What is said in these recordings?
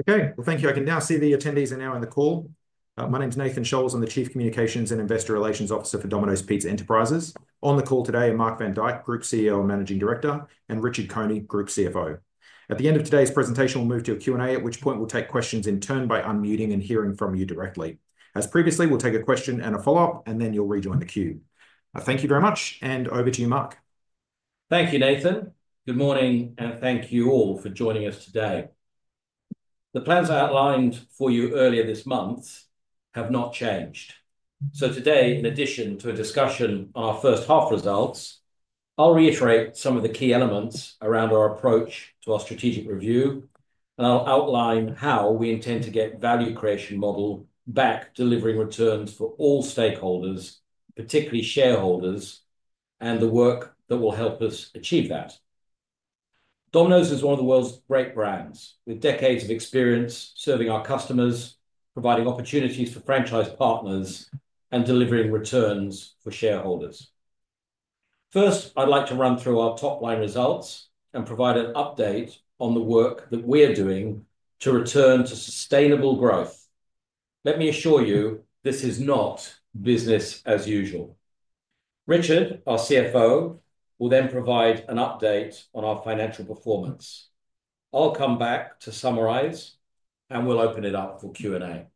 Okay, well, thank you. I can now see the attendees are now in the call. My name's Nathan Scholz. I'm the Chief Communications and Investor Relations Officer for Domino's Pizza Enterprises. On the call today are Mark van Dyck, Group CEO and Managing Director, and Richard Coney, Group CFO. At the end of today's presentation, we'll move to a Q&A, at which point we'll take questions in turn by unmuting and hearing from you directly. As previously, we'll take a question and a follow-up, and then you'll rejoin the queue. Thank you very much, and over to you, Mark. Thank you, Nathan. Good morning, and thank you all for joining us today. The plans I outlined for you earlier this month have not changed. So today, in addition to a discussion on our first half results, I'll reiterate some of the key elements around our approach to our strategic review, and I'll outline how we intend to get the value creation model back, delivering returns for all stakeholders, particularly shareholders, and the work that will help us achieve that. Domino's is one of the world's great brands, with decades of experience serving our customers, providing opportunities for franchise partners, and delivering returns for shareholders. First, I'd like to run through our top-line results and provide an update on the work that we are doing to return to sustainable growth. Let me assure you, this is not business as usual. Richard, our CFO, will then provide an update on our financial performance. I'll come back to summarize, and we'll open it up for Q&A.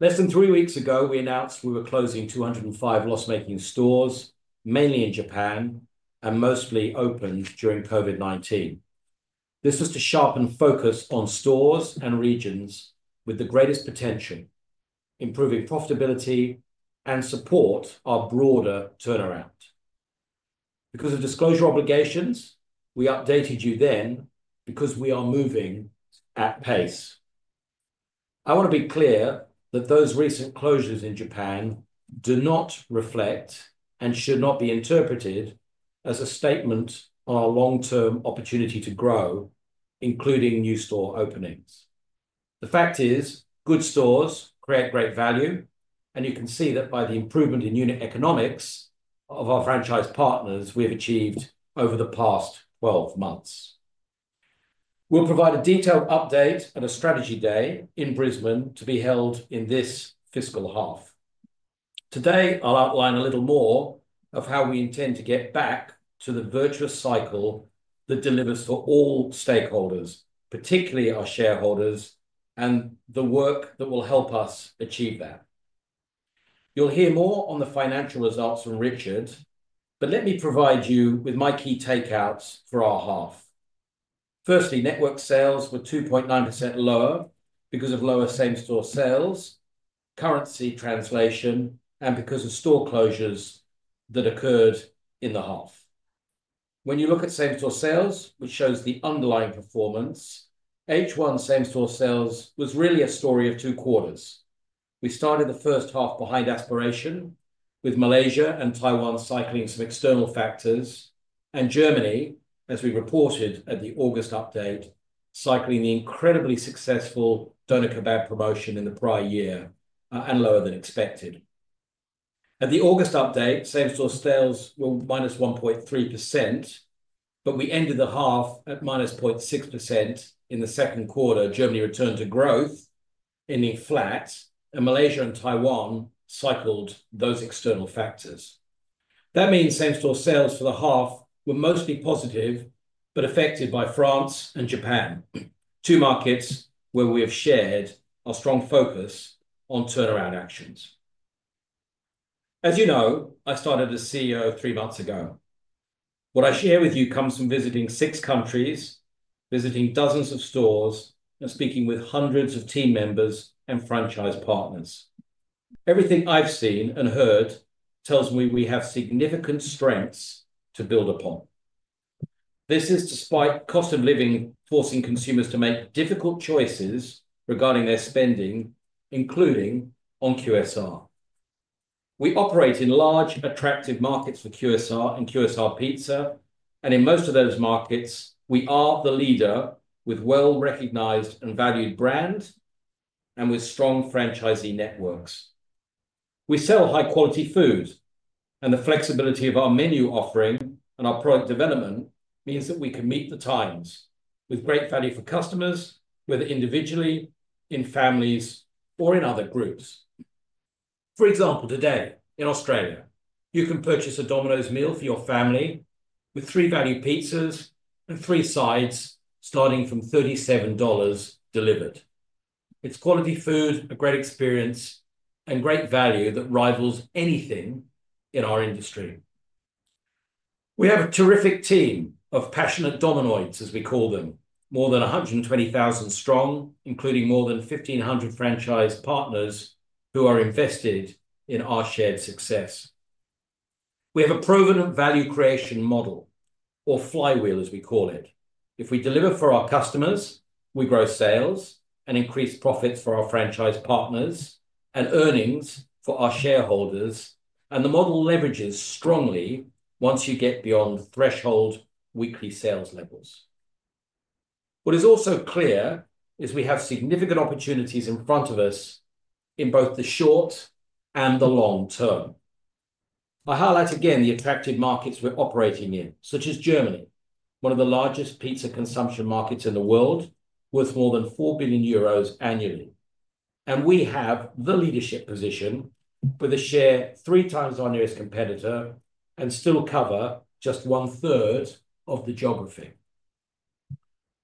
Less than three weeks ago, we announced we were closing 205 loss-making stores, mainly in Japan, and mostly opened during COVID-19. This was to sharpen focus on stores and regions with the greatest potential, improving profitability and support our broader turnaround. Because of disclosure obligations, we updated you then because we are moving at pace. I want to be clear that those recent closures in Japan do not reflect and should not be interpreted as a statement on our long-term opportunity to grow, including new store openings. The fact is, good stores create great value, and you can see that by the improvement in unit economics of our franchise partners we have achieved over the past 12 months. We'll provide a detailed update at a strategy day in Brisbane to be held in this fiscal half. Today, I'll outline a little more of how we intend to get back to the virtuous cycle that delivers for all stakeholders, particularly our shareholders, and the work that will help us achieve that. You'll hear more on the financial results from Richard, but let me provide you with my key takeouts for our half. Firstly, network sales were 2.9% lower because of lower same-store sales, currency translation, and because of store closures that occurred in the half. When you look at same-store sales, which shows the underlying performance, H1 same-store sales was really a story of two quarters. We started the first half behind aspiration, with Malaysia and Taiwan cycling some external factors, and Germany, as we reported at the August update, cycling the incredibly successful Doner Kebab promotion in the prior year and lower than expected. At the August update, same-store sales were -1.3%, but we ended the half at -0.6% in the second quarter. Germany returned to growth, ending flat, and Malaysia and Taiwan cycled those external factors. That means same-store sales for the half were mostly positive but affected by France and Japan, two markets where we have shared our strong focus on turnaround actions. As you know, I started as CEO three months ago. What I share with you comes from visiting six countries, visiting dozens of stores, and speaking with hundreds of team members and franchise partners. Everything I've seen and heard tells me we have significant strengths to build upon. This is despite cost of living forcing consumers to make difficult choices regarding their spending, including on QSR. We operate in large, attractive markets for QSR and QSR Pizza, and in most of those markets, we are the leader with well-recognized and valued brands and with strong franchisee networks. We sell high-quality food, and the flexibility of our menu offering and our product development means that we can meet the times with great value for customers, whether individually, in families, or in other groups. For example, today in Australia, you can purchase a Domino's meal for your family with three value pizzas and three sides starting from 37 dollars delivered. It's quality food, a great experience, and great value that rivals anything in our industry. We have a terrific team of passionate Dominoids, as we call them, more than 120,000 strong, including more than 1,500 franchise partners who are invested in our shared success. We have a proven value creation model, or flywheel, as we call it. If we deliver for our customers, we grow sales and increase profits for our franchise partners and earnings for our shareholders, and the model leverages strongly once you get beyond threshold weekly sales levels. What is also clear is we have significant opportunities in front of us in both the short and the long term. I highlight again the attractive markets we're operating in, such as Germany, one of the largest pizza consumption markets in the world, worth more than 4 billion euros annually, and we have the leadership position with a share three times our nearest competitor and still cover just one-third of the geography.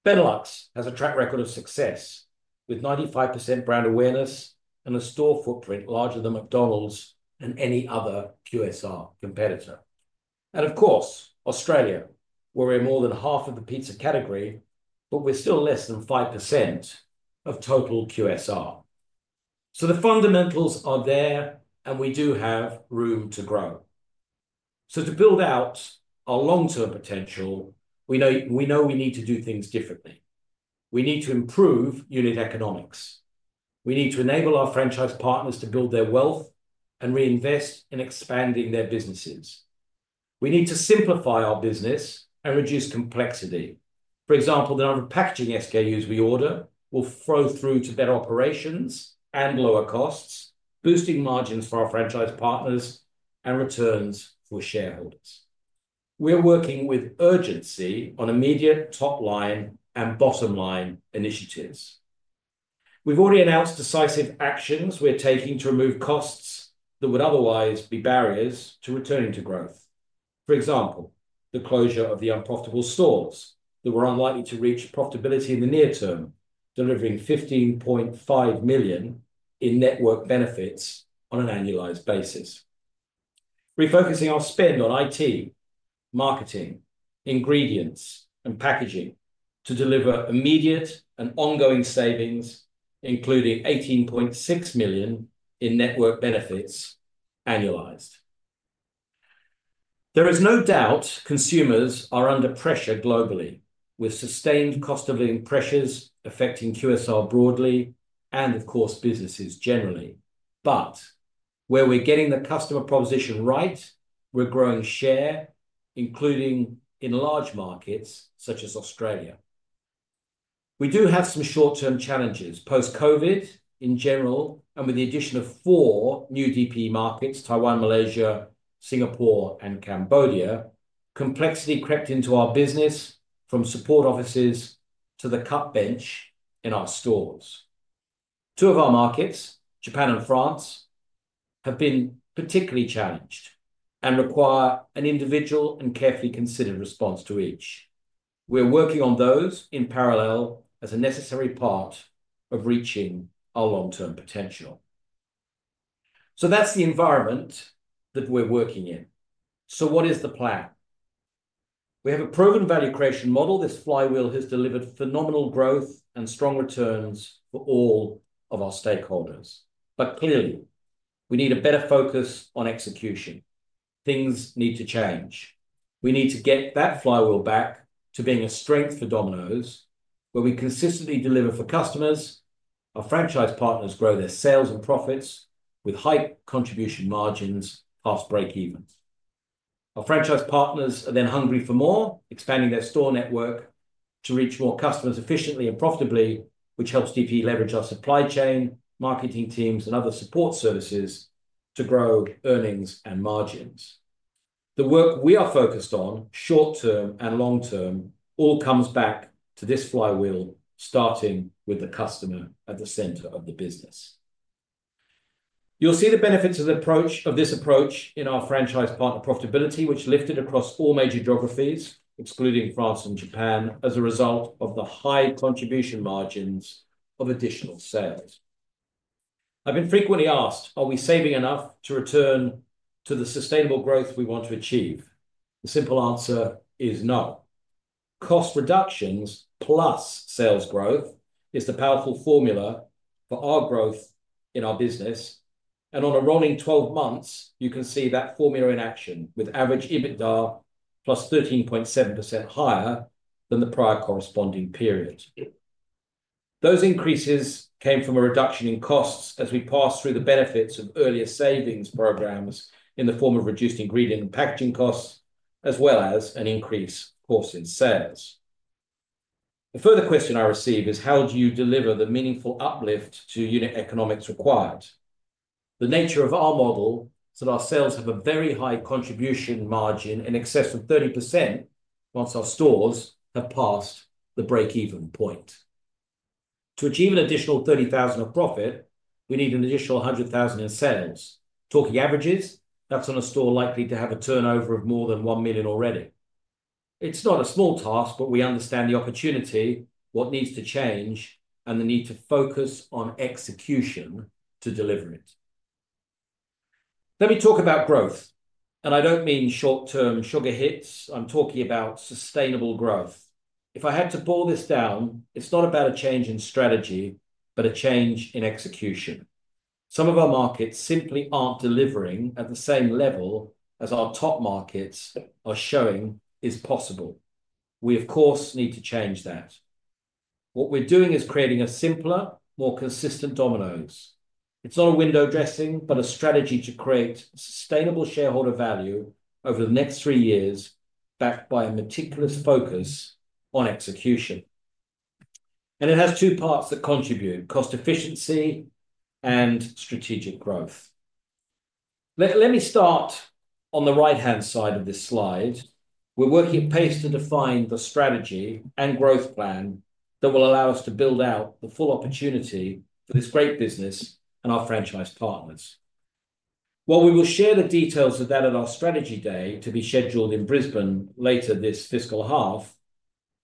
Benelux has a track record of success with 95% brand awareness and a store footprint larger than McDonald's and any other QSR competitor. And of course, Australia, where we're more than half of the pizza category, but we're still less than 5% of total QSR. So the fundamentals are there, and we do have room to grow. So to build out our long-term potential, we know we need to do things differently. We need to improve unit economics. We need to enable our franchise partners to build their wealth and reinvest in expanding their businesses. We need to simplify our business and reduce complexity. For example, the number of packaging SKUs we order will flow through to better operations and lower costs, boosting margins for our franchise partners and returns for shareholders. We're working with urgency on immediate top-line and bottom-line initiatives. We've already announced decisive actions we're taking to remove costs that would otherwise be barriers to returning to growth. For example, the closure of the unprofitable stores that were unlikely to reach profitability in the near term, delivering 15.5 million in network benefits on an annualized basis. Refocusing our spend on IT, marketing, ingredients, and packaging to deliver immediate and ongoing savings, including 18.6 million in network benefits annualized. There is no doubt consumers are under pressure globally, with sustained cost of living pressures affecting QSR broadly and, of course, businesses generally. But where we're getting the customer proposition right, we're growing share, including in large markets such as Australia. We do have some short-term challenges post-COVID in general, and with the addition of four new DP markets, Taiwan, Malaysia, Singapore, and Cambodia, complexity crept into our business from support offices to the cut bench in our stores. Two of our markets, Japan and France, have been particularly challenged and require an individual and carefully considered response to each. We're working on those in parallel as a necessary part of reaching our long-term potential. So that's the environment that we're working in. So what is the plan? We have a proven value creation model. This flywheel has delivered phenomenal growth and strong returns for all of our stakeholders. But clearly, we need a better focus on execution. Things need to change. We need to get that flywheel back to being a strength for Domino's, where we consistently deliver for customers. Our franchise partners grow their sales and profits with high contribution margins past breakevens. Our franchise partners are then hungry for more, expanding their store network to reach more customers efficiently and profitably, which helps DPE leverage our supply chain, marketing teams, and other support services to grow earnings and margins. The work we are focused on, short-term and long-term, all comes back to this flywheel, starting with the customer at the center of the business. You'll see the benefits of this approach in our franchise partner profitability, which lifted across all major geographies, excluding France and Japan, as a result of the high contribution margins of additional sales. I've been frequently asked, "Are we saving enough to return to the sustainable growth we want to achieve?" The simple answer is no. Cost reductions plus sales growth is the powerful formula for our growth in our business. And on a rolling 12 months, you can see that formula in action with average EBITDA +13.7% higher than the prior corresponding period. Those increases came from a reduction in costs as we passed through the benefits of earlier savings programs in the form of reduced ingredient and packaging costs, as well as an increase in sales. A further question I receive is, "How do you deliver the meaningful uplift to unit economics required?" The nature of our model is that our sales have a very high contribution margin in excess of 30% once our stores have passed the breakeven point. To achieve an additional 30,000 of profit, we need an additional 100,000 in sales. Talking averages, that's on a store likely to have a turnover of more than 1 million already. It's not a small task, but we understand the opportunity, what needs to change, and the need to focus on execution to deliver it. Let me talk about growth. And I don't mean short-term sugar hits. I'm talking about sustainable growth. If I had to pull this down, it's not about a change in strategy, but a change in execution. Some of our markets simply aren't delivering at the same level as our top markets are showing is possible. We, of course, need to change that. What we're doing is creating a simpler, more consistent Domino's. It's not a window dressing, but a strategy to create sustainable shareholder value over the next three years, backed by a meticulous focus on execution. And it has two parts that contribute: cost efficiency and strategic growth. Let me start on the right-hand side of this slide. We're working at pace to define the strategy and growth plan that will allow us to build out the full opportunity for this great business and our franchise partners. While we will share the details of that at our strategy day to be scheduled in Brisbane later this fiscal half,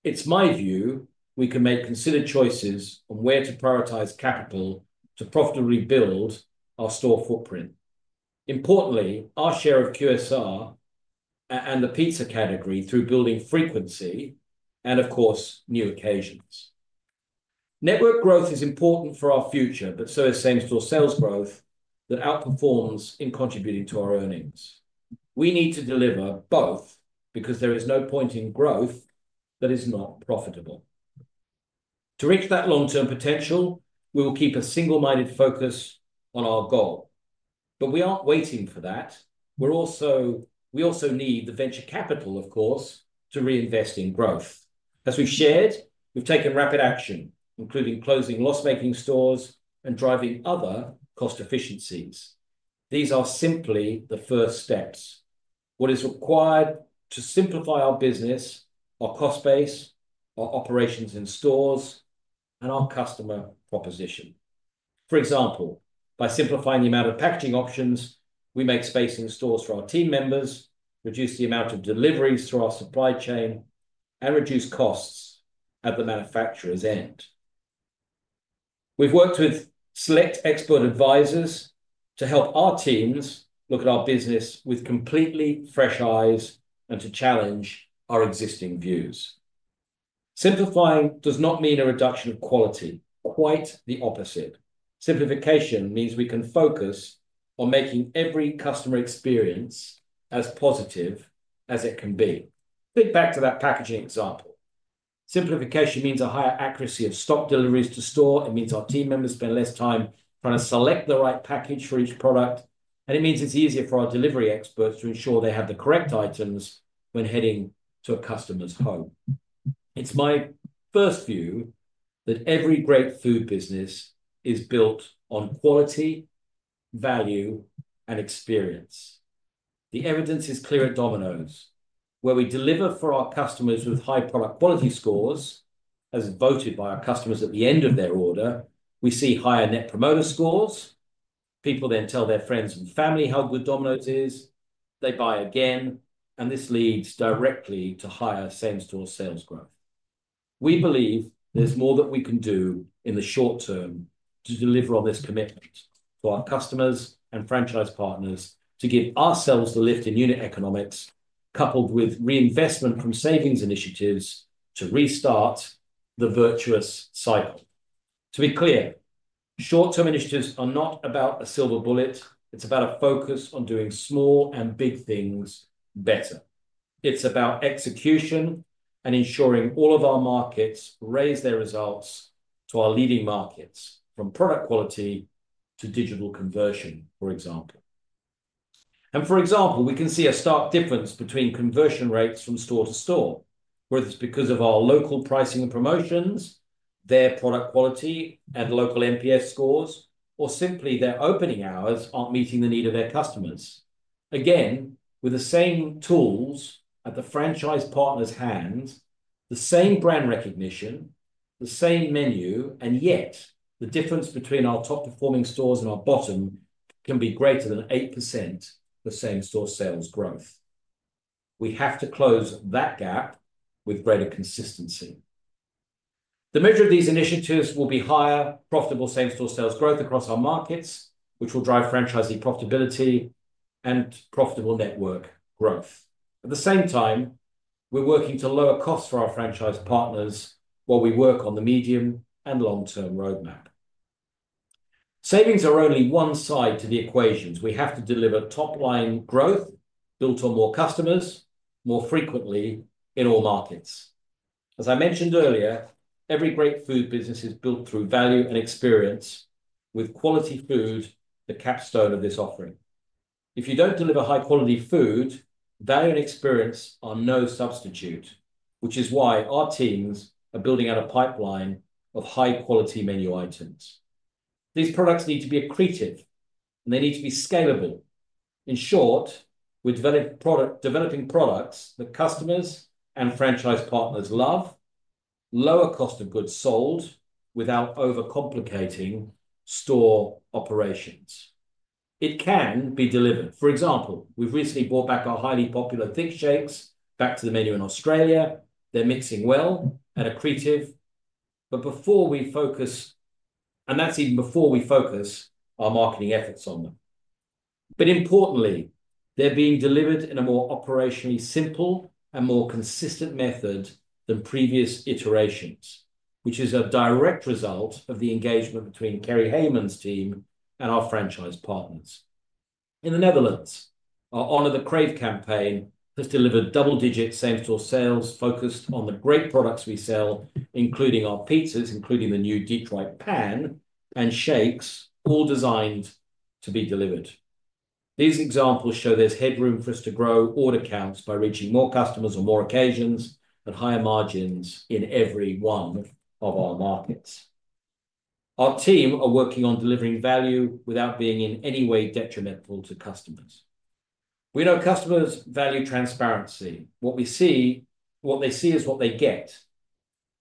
it's my view we can make considered choices on where to prioritize capital to profitably build our store footprint. Importantly, our share of QSR and the pizza category through building frequency and, of course, new occasions. Network growth is important for our future, but so is same-store sales growth that outperforms in contributing to our earnings. We need to deliver both because there is no point in growth that is not profitable. To reach that long-term potential, we will keep a single-minded focus on our goal. But we aren't waiting for that. We also need the venture capital, of course, to reinvest in growth. As we've shared, we've taken rapid action, including closing loss-making stores and driving other cost efficiencies. These are simply the first steps. What is required to simplify our business, our cost base, our operations in stores, and our customer proposition? For example, by simplifying the amount of packaging options, we make space in stores for our team members, reduce the amount of deliveries through our supply chain, and reduce costs at the manufacturer's end. We've worked with select expert advisors to help our teams look at our business with completely fresh eyes and to challenge our existing views. Simplifying does not mean a reduction of quality. Quite the opposite. Simplification means we can focus on making every customer experience as positive as it can be. Think back to that packaging example. Simplification means a higher accuracy of stock deliveries to store. It means our team members spend less time trying to select the right package for each product. And it means it's easier for our delivery experts to ensure they have the correct items when heading to a customer's home. It's my first view that every great food business is built on quality, value, and experience. The evidence is clear at Domino's, where we deliver for our customers with high product quality scores, as voted by our customers at the end of their order. We see higher Net Promoter Scores. People then tell their friends and family how good Domino's is. They buy again, and this leads directly to higher same-store sales growth. We believe there's more that we can do in the short term to deliver on this commitment to our customers and franchise partners to give ourselves the lift in unit economics, coupled with reinvestment from savings initiatives to restart the virtuous cycle. To be clear, short-term initiatives are not about a silver bullet. It's about a focus on doing small and big things better. It's about execution and ensuring all of our markets raise their results to our leading markets, from product quality to digital conversion, for example. And for example, we can see a stark difference between conversion rates from store to store, whether it's because of our local pricing and promotions, their product quality and local NPS scores, or simply their opening hours aren't meeting the need of their customers. Again, with the same tools at the franchise partner's hands, the same brand recognition, the same menu, and yet the difference between our top-performing stores and our bottom can be greater than 8% for same-store sales growth. We have to close that gap with greater consistency. The measure of these initiatives will be higher profitable same-store sales growth across our markets, which will drive franchisee profitability and profitable network growth. At the same time, we're working to lower costs for our franchise partners while we work on the medium and long-term roadmap. Savings are only one side to the equation. We have to deliver top-line growth built on more customers more frequently in all markets. As I mentioned earlier, every great food business is built through value and experience, with quality food the capstone of this offering. If you don't deliver high-quality food, value and experience are no substitute, which is why our teams are building out a pipeline of high-quality menu items. These products need to be accretive, and they need to be scalable. In short, we're developing products that customers and franchise partners love, lower cost of goods sold without overcomplicating store operations. It can be delivered. For example, we've recently brought back our highly popular Thickshakes to the menu in Australia. They're moving well and accretive, and that's even before we focus our marketing efforts on them. But importantly, they're being delivered in a more operationally simple and more consistent method than previous iterations, which is a direct result of the engagement between Kerri Hayman's team and our franchise partners. In the Netherlands, our Honour the Crave campaign has delivered double-digit same-store sales focused on the great products we sell, including our pizzas, including the new deep-fried pan and shakes, all designed to be delivered. These examples show there's headroom for us to grow order counts by reaching more customers on more occasions at higher margins in every one of our markets. Our team are working on delivering value without being in any way detrimental to customers. We know customers value transparency. What we see, what they see is what they get.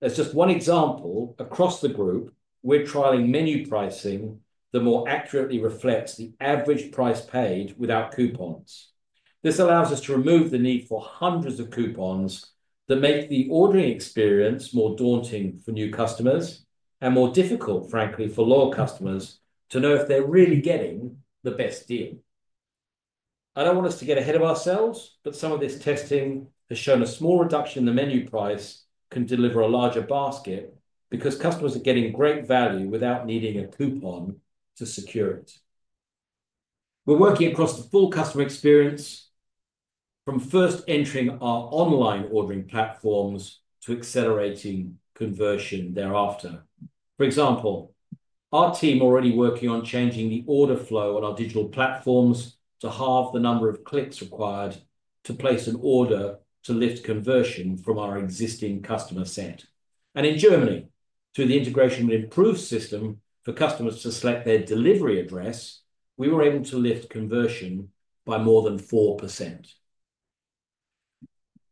As just one example, across the group, we're trialing menu pricing that more accurately reflects the average price paid without coupons. This allows us to remove the need for hundreds of coupons that make the ordering experience more daunting for new customers and more difficult, frankly, for lower customers to know if they're really getting the best deal. I don't want us to get ahead of ourselves, but some of this testing has shown a small reduction in the menu price can deliver a larger basket because customers are getting great value without needing a coupon to secure it. We're working across the full customer experience from first entering our online ordering platforms to accelerating conversion thereafter. For example, our team is already working on changing the order flow on our digital platforms to halve the number of clicks required to place an order to lift conversion from our existing customer set. And in Germany, through the integration with an improved system for customers to select their delivery address, we were able to lift conversion by more than 4%.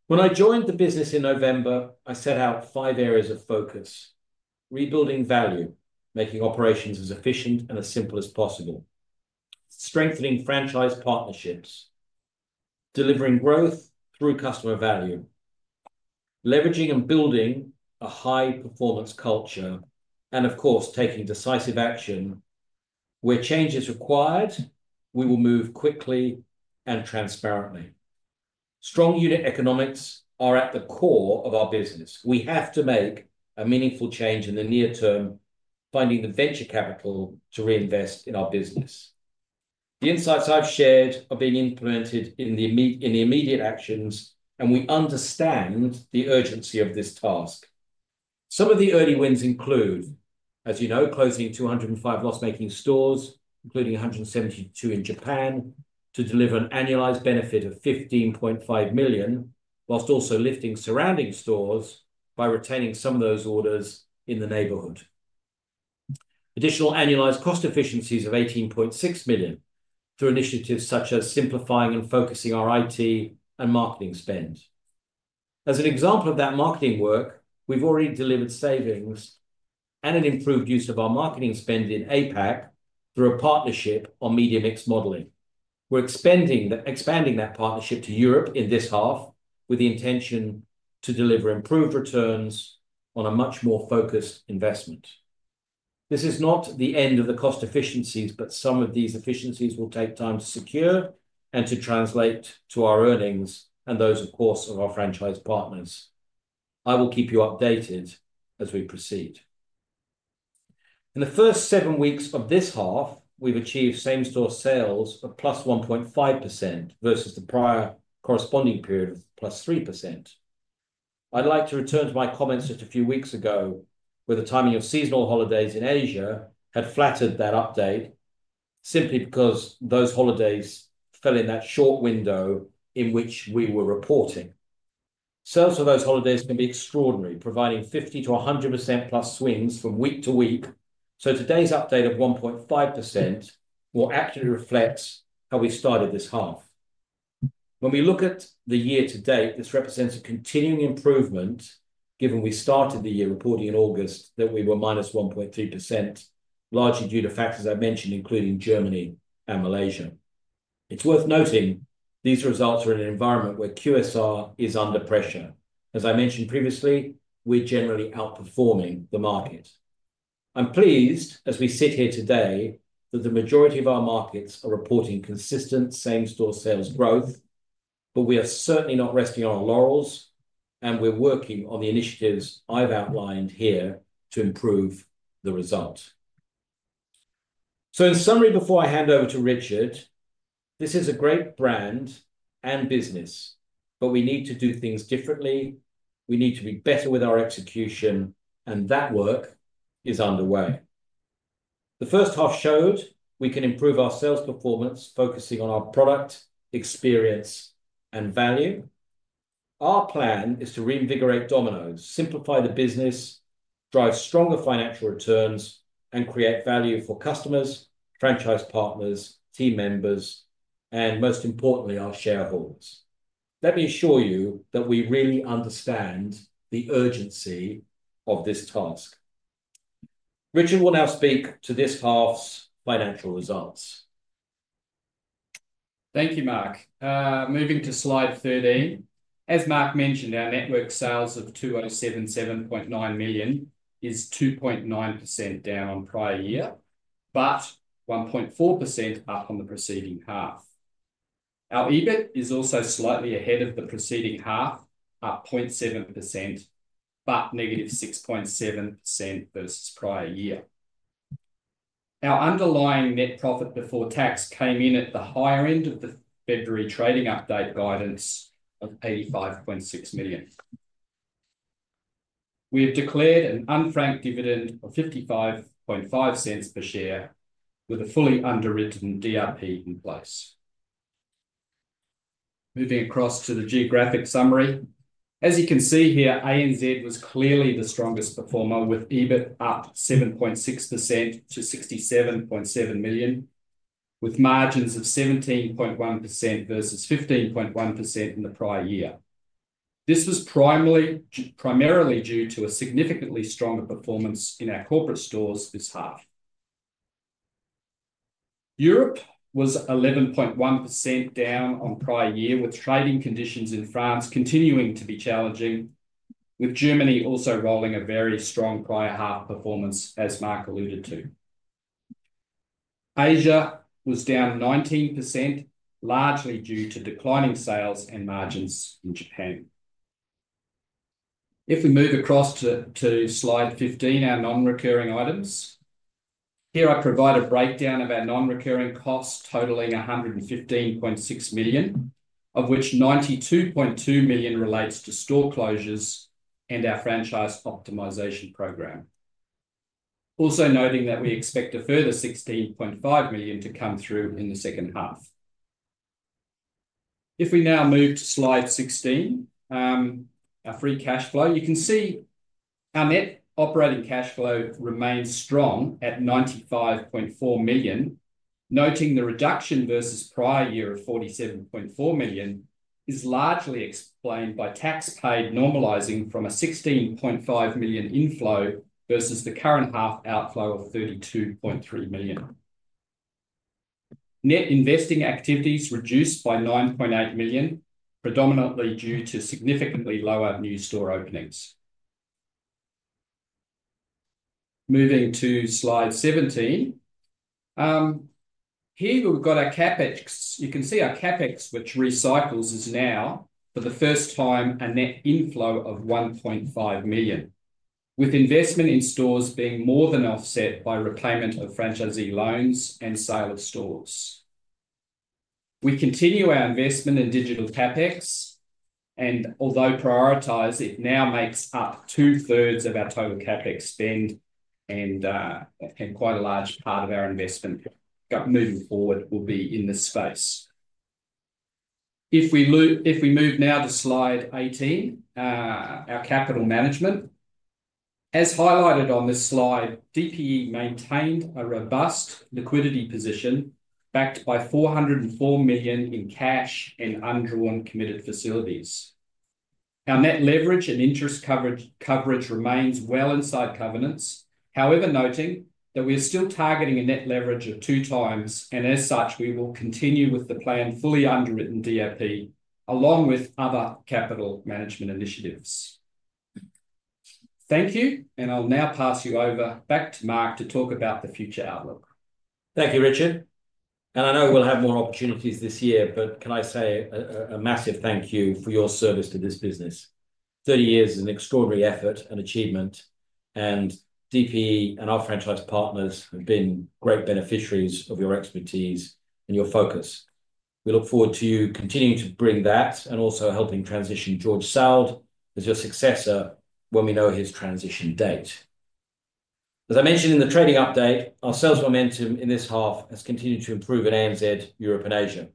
When I joined the business in November, I set out five areas of focus: rebuilding value, making operations as efficient and as simple as possible, strengthening franchise partnerships, delivering growth through customer value, leveraging and building a high-performance culture, and, of course, taking decisive action where change is required, we will move quickly and transparently. Strong unit economics are at the core of our business. We have to make a meaningful change in the near term, finding the venture capital to reinvest in our business. The insights I've shared are being implemented in the immediate actions, and we understand the urgency of this task. Some of the early wins include, as you know, closing 205 loss-making stores, including 172 in Japan, to deliver an annualized benefit of 15.5 million, whilst also lifting surrounding stores by retaining some of those orders in the neighborhood. Additional annualized cost efficiencies of 18.6 million through initiatives such as simplifying and focusing our IT and marketing spend. As an example of that marketing work, we've already delivered savings and an improved use of our marketing spend in APAC through a partnership on media mix modeling. We're expanding that partnership to Europe in this half with the intention to deliver improved returns on a much more focused investment. This is not the end of the cost efficiencies, but some of these efficiencies will take time to secure and to translate to our earnings and those, of course, of our franchise partners. I will keep you updated as we proceed. In the first seven weeks of this half, we've achieved same-store sales of +1.5% versus the prior corresponding period of +3%. I'd like to return to my comments just a few weeks ago, where the timing of seasonal holidays in Asia had flattered that update, simply because those holidays fell in that short window in which we were reporting. Sales for those holidays can be extraordinary, providing 50% to 100%+ swings from week to week. So today's update of 1.5% will actually reflect how we started this half. When we look at the year to date, this represents a continuing improvement, given we started the year reporting in August that we were -1.3%, largely due to factors I've mentioned, including Germany and Malaysia. It's worth noting these results are in an environment where QSR is under pressure. As I mentioned previously, we're generally outperforming the market. I'm pleased, as we sit here today, that the majority of our markets are reporting consistent same-store sales growth, but we are certainly not resting on our laurels, and we're working on the initiatives I've outlined here to improve the result. So in summary, before I hand over to Richard, this is a great brand and business, but we need to do things differently. We need to be better with our execution, and that work is underway. The first half showed we can improve our sales performance, focusing on our product experience and value. Our plan is to reinvigorate Domino's, simplify the business, drive stronger financial returns, and create value for customers, franchise partners, team members, and most importantly, our shareholders. Let me assure you that we really understand the urgency of this task. Richard will now speak to this half's financial results. Thank you, Mark. Moving to slide 13. As Mark mentioned, our network sales of 207.7 million is 2.9% down on prior year, but 1.4% up on the preceding half. Our EBIT is also slightly ahead of the preceding half, up 0.7%, but negative 6.7% versus prior year. Our underlying net profit before tax came in at the higher end of the February trading update guidance of 85.6 million. We have declared an unfranked dividend of 0.555 per share with a fully underwritten DRP in place. Moving across to the geographic summary. As you can see here, ANZ was clearly the strongest performer, with EBIT up 7.6% -67.7 million, with margins of 17.1% versus 15.1% in the prior year. This was primarily due to a significantly stronger performance in our corporate stores this half. Europe was 11.1% down on prior year, with trading conditions in France continuing to be challenging, with Germany also rolling a very strong prior half performance, as Mark alluded to. Asia was down 19%, largely due to declining sales and margins in Japan. If we move across to slide 15, our non-recurring items. Here I provide a breakdown of our non-recurring costs totaling 115.6 million, of which 92.2 million relates to store closures and our franchise optimization program. Also noting that we expect a further 16.5 million to come through in the second half. If we now move to slide 16, our free cash flow, you can see our net operating cash flow remains strong at 95.4 million, noting the reduction versus prior year of 47.4 million is largely explained by tax paid normalizing from a 16.5 million inflow versus the current half outflow of 32.3 million. Net investing activities reduced by 9.8 million, predominantly due to significantly lower new store openings. Moving to slide 17. Here we've got our CapEx. You can see our CapEx, which recycles, is now for the first time a net inflow of 1.5 million, with investment in stores being more than offset by repayment of franchisee loans and sale of stores. We continue our investment in digital CapEx, and although prioritized, it now makes up two-thirds of our total CapEx spend and quite a large part of our investment moving forward will be in this space. If we move now to slide 18, our capital management. As highlighted on this slide, DPE maintained a robust liquidity position backed by 404 million in cash and undrawn committed facilities. Our net leverage and interest coverage remains well inside covenants, however noting that we are still targeting a net leverage of two times, and as such, we will continue with the planned fully underwritten DRP along with other capital management initiatives. Thank you, and I'll now pass you over back to Mark to talk about the future outlook. Thank you, Richard. And I know we'll have more opportunities this year, but can I say a massive thank you for your service to this business? 30 years is an extraordinary effort and achievement, and DPE and our franchise partners have been great beneficiaries of your expertise and your focus. We look forward to you continuing to bring that and also helping transition George Saoud as your successor when we know his transition date. As I mentioned in the trading update, our sales momentum in this half has continued to improve in ANZ, Europe, and Asia.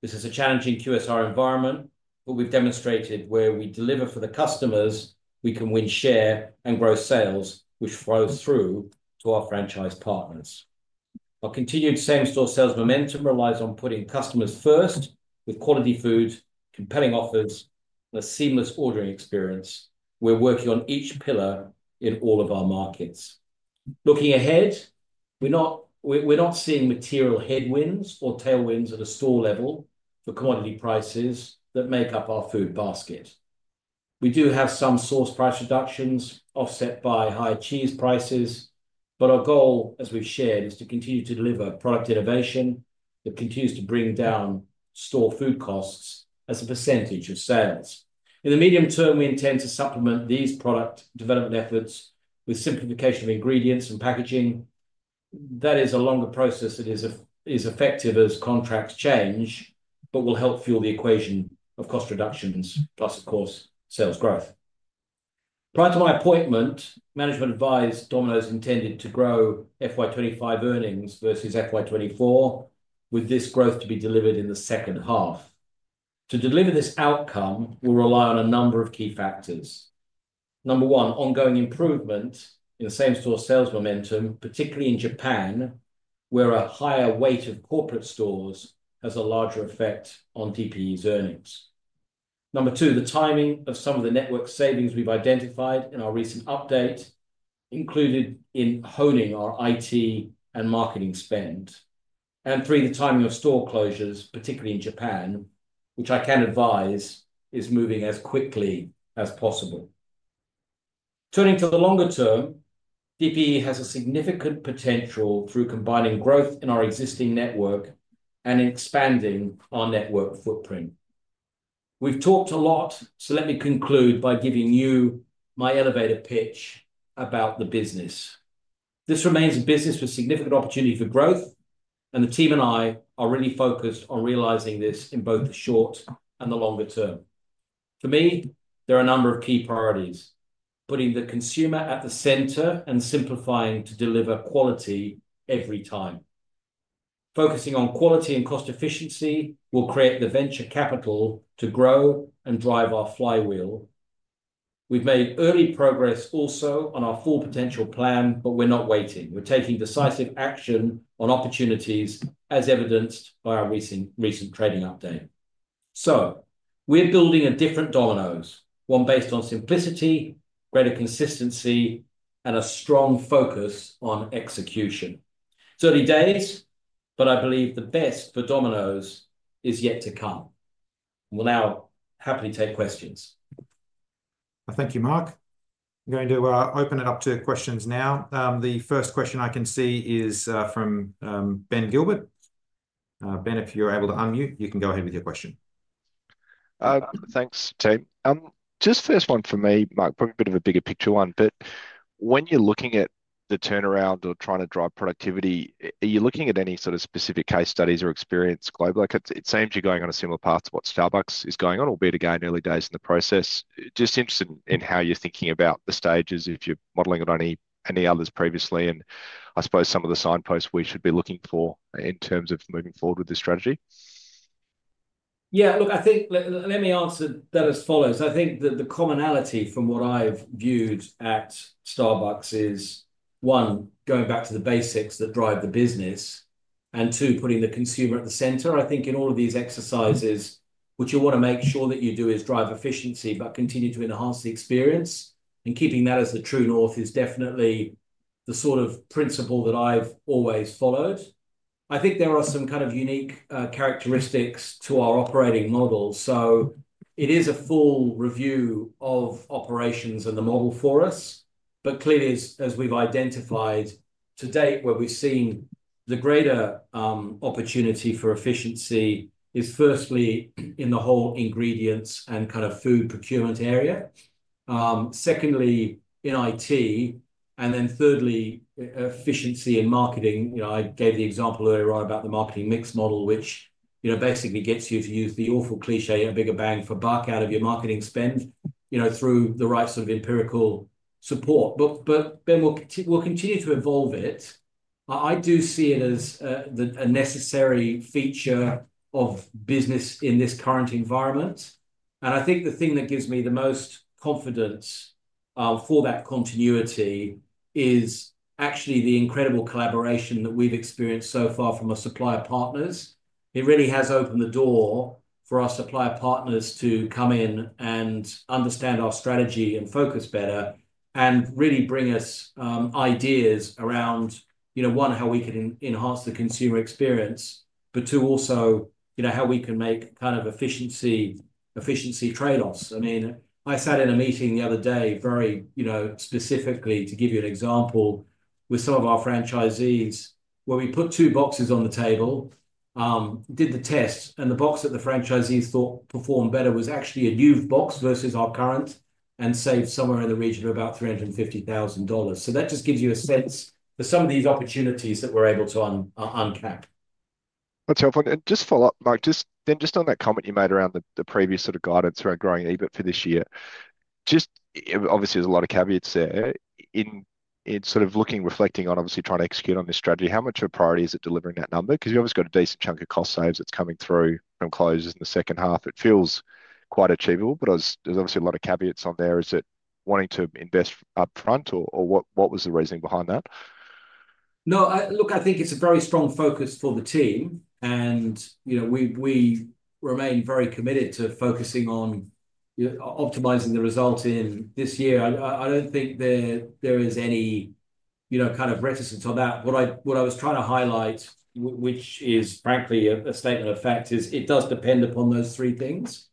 This is a challenging QSR environment, but we've demonstrated where we deliver for the customers, we can win share and grow sales, which flows through to our franchise partners. Our continued same-store sales momentum relies on putting customers first with quality food, compelling offers, and a seamless ordering experience. We're working on each pillar in all of our markets. Looking ahead, we're not seeing material headwinds or tailwinds at a store level for commodity prices that make up our food basket. We do have some sauce price reductions offset by high cheese prices, but our goal, as we've shared, is to continue to deliver product innovation that continues to bring down store food costs as a percentage of sales. In the medium term, we intend to supplement these product development efforts with simplification of ingredients and packaging. That is a longer process that is effective as contracts change, but will help fuel the equation of cost reductions, plus, of course, sales growth. Prior to my appointment, management advised Domino's intended to grow FY25 earnings versus FY24, with this growth to be delivered in the second half. To deliver this outcome, we'll rely on a number of key factors. Number one, ongoing improvement in the same-store sales momentum, particularly in Japan, where a higher weight of corporate stores has a larger effect on DPE's earnings. Number two, the timing of some of the network savings we've identified in our recent update, including honing our IT and marketing spend. And three, the timing of store closures, particularly in Japan, which I can advise is moving as quickly as possible. Turning to the longer term, DPE has a significant potential through combining growth in our existing network and expanding our network footprint. We've talked a lot, so let me conclude by giving you my elevator pitch about the business. This remains a business with significant opportunity for growth, and the team and I are really focused on realizing this in both the short and the longer term. For me, there are a number of key priorities: putting the consumer at the center and simplifying to deliver quality every time. Focusing on quality and cost efficiency will create the venture capital to grow and drive our flywheel. We've made early progress also on our Full Potential Plan, but we're not waiting. We're taking decisive action on opportunities, as evidenced by our recent trading update. So we're building a different Domino's, one based on simplicity, greater consistency, and a strong focus on execution. 30 days, but I believe the best for Domino's is yet to come. We'll now happily take questions. Thank you, Mark. I'm going to open it up to questions now. The first question I can see is from Ben Gilbert. Ben, if you're able to unmute, you can go ahead with your question. Thanks, Team. Just first one for me, Mark, probably a bit of a bigger picture one, but when you're looking at the turnaround or trying to drive productivity, are you looking at any sort of specific case studies or experience globally? It seems you're going on a similar path to what Starbucks is going on, albeit again early days in the process. Just interested in how you're thinking about the stages if you're modeling it on any others previously, and I suppose some of the signposts we should be looking for in terms of moving forward with this strategy? Yeah, look, I think let me answer that as follows. I think that the commonality from what I've viewed at Starbucks is, one, going back to the basics that drive the business, and two, putting the consumer at the center. I think in all of these exercises, what you want to make sure that you do is drive efficiency, but continue to enhance the experience, and keeping that as the true north is definitely the sort of principle that I've always followed. I think there are some kind of unique characteristics to our operating model. So it is a full review of operations and the model for us, but clearly, as we've identified to date, where we've seen the greater opportunity for efficiency is firstly in the whole ingredients and kind of food procurement area. Secondly, in IT, and then thirdly, efficiency in marketing. I gave the example earlier on about the media mix modeling, which basically gets you to use the awful cliché, a bigger bang for buck out of your marketing spend through the right sort of empirical support. But we'll continue to evolve it. I do see it as a necessary feature of business in this current environment. And I think the thing that gives me the most confidence for that continuity is actually the incredible collaboration that we've experienced so far from our supplier partners. It really has opened the door for our supplier partners to come in and understand our strategy and focus better and really bring us ideas around, one, how we can enhance the consumer experience, but two, also how we can make kind of efficiency trade-offs. I mean, I sat in a meeting the other day very specifically to give you an example with some of our franchisees where we put two boxes on the table, did the test, and the box that the franchisees thought performed better was actually a new box versus our current and saved somewhere in the region of about 350,000 dollars. So that just gives you a sense for some of these opportunities that we're able to uncap. That's helpful. And just follow up, Mark, then just on that comment you made around the previous sort of guidance around growing EBIT for this year. Just, obviously, there's a lot of caveats there. In sort of looking, reflecting on, obviously trying to execute on this strategy, how much of a priority is it delivering that number? Because you've obviously got a decent chunk of cost savings that's coming through from closures in the second half. It feels quite achievable, but there's obviously a lot of caveats on there. Is it wanting to invest upfront, or what was the reasoning behind that? No, look, I think it's a very strong focus for the team, and we remain very committed to focusing on optimizing the result in this year. I don't think there is any kind of reticence on that. What I was trying to highlight, which is frankly a statement of fact, is it does depend upon those three things,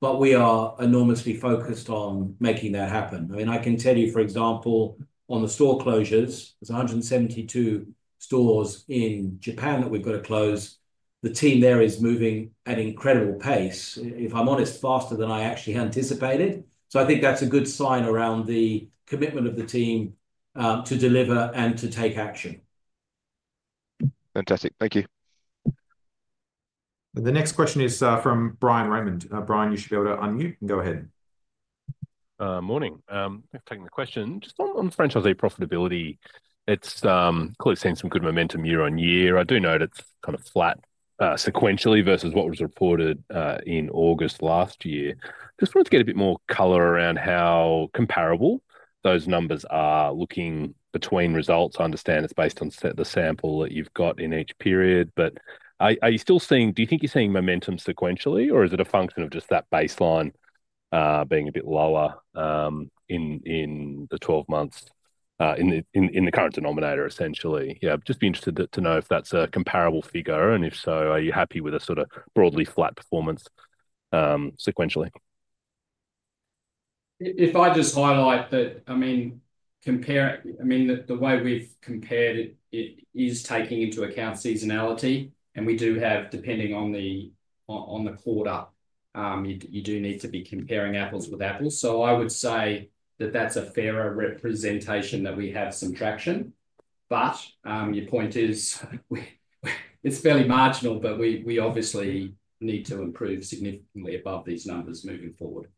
but we are enormously focused on making that happen. I mean, I can tell you, for example, on the store closures, there's 172 stores in Japan that we've got to close. The team there is moving at an incredible pace, if I'm honest, faster than I actually anticipated. So I think that's a good sign around the commitment of the team to deliver and to take action. Fantastic. Thank you. The next question is from Bryan Raymond. Brian, you should be able to unmute and go ahead. Morning. Thanks for taking the question. Just on franchisee profitability, it's clearly seen some good momentum year-on-year. I do note it's kind of flat sequentially versus what was reported in August last year. Just wanted to get a bit more color around how comparable those numbers are looking between results. I understand it's based on the sample that you've got in each period, but are you still seeing, do you think you're seeing momentum sequentially, or is it a function of just that baseline being a bit lower in the 12 months in the current denominator, essentially? Yeah, just be interested to know if that's a comparable figure, and if so, are you happy with a sort of broadly flat performance sequentially? If I just highlight that, I mean, the way we've compared it is taking into account seasonality, and we do have, depending on the quarter, you do need to be comparing apples with apples. So I would say that that's a fairer representation that we have some traction. But your point is it's fairly marginal, but we obviously need to improve significantly above these numbers moving forward.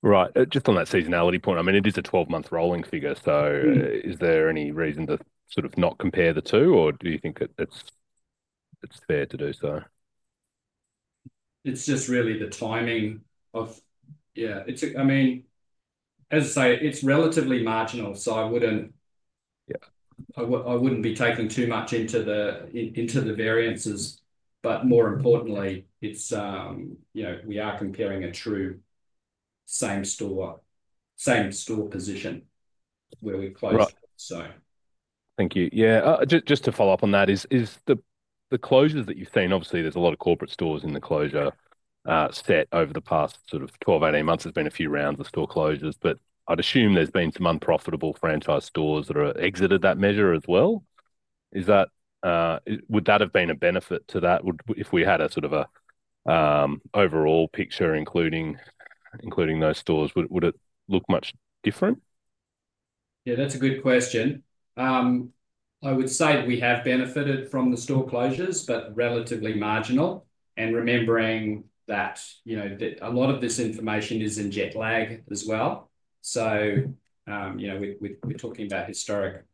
Right. Just on that seasonality point, I mean, it is a 12-month rolling figure, so is there any reason to sort of not compare the two, or do you think it's fair to do so? It's just really the timing of. Yeah, I mean, as I say, it's relatively marginal, so I wouldn't be taking too much into the variances. But more importantly, we are comparing a true same-store position where we've closed, so. Thank you. Yeah. Just to follow up on that, is the closures that you've seen. Obviously, there's a lot of corporate stores in the closure set over the past sort of 12-18 months. There's been a few rounds of store closures, but I'd assume there's been some unprofitable franchise stores that have exited that measure as well. Would that have been a benefit to that? If we had a sort of an overall picture, including those stores, would it look much different? Yeah, that's a good question. I would say we have benefited from the store closures, but relatively marginal, and remembering that a lot of this information is yet lagging as well. We're talking about historic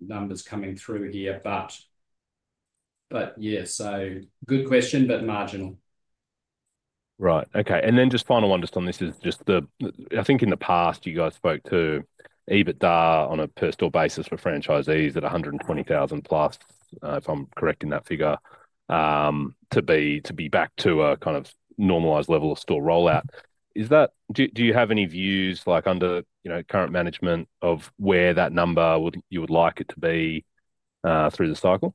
numbers coming through here, but yeah, so good question, but marginal. Right. Okay. And then just final one just on this is just the—I think in the past, you guys spoke to EBITDA on a per-store basis for franchisees at 120,000+, if I'm correcting that figure, to be back to a kind of normalized level of store rollout. Do you have any views under current management of where that number you would like it to be through the cycle?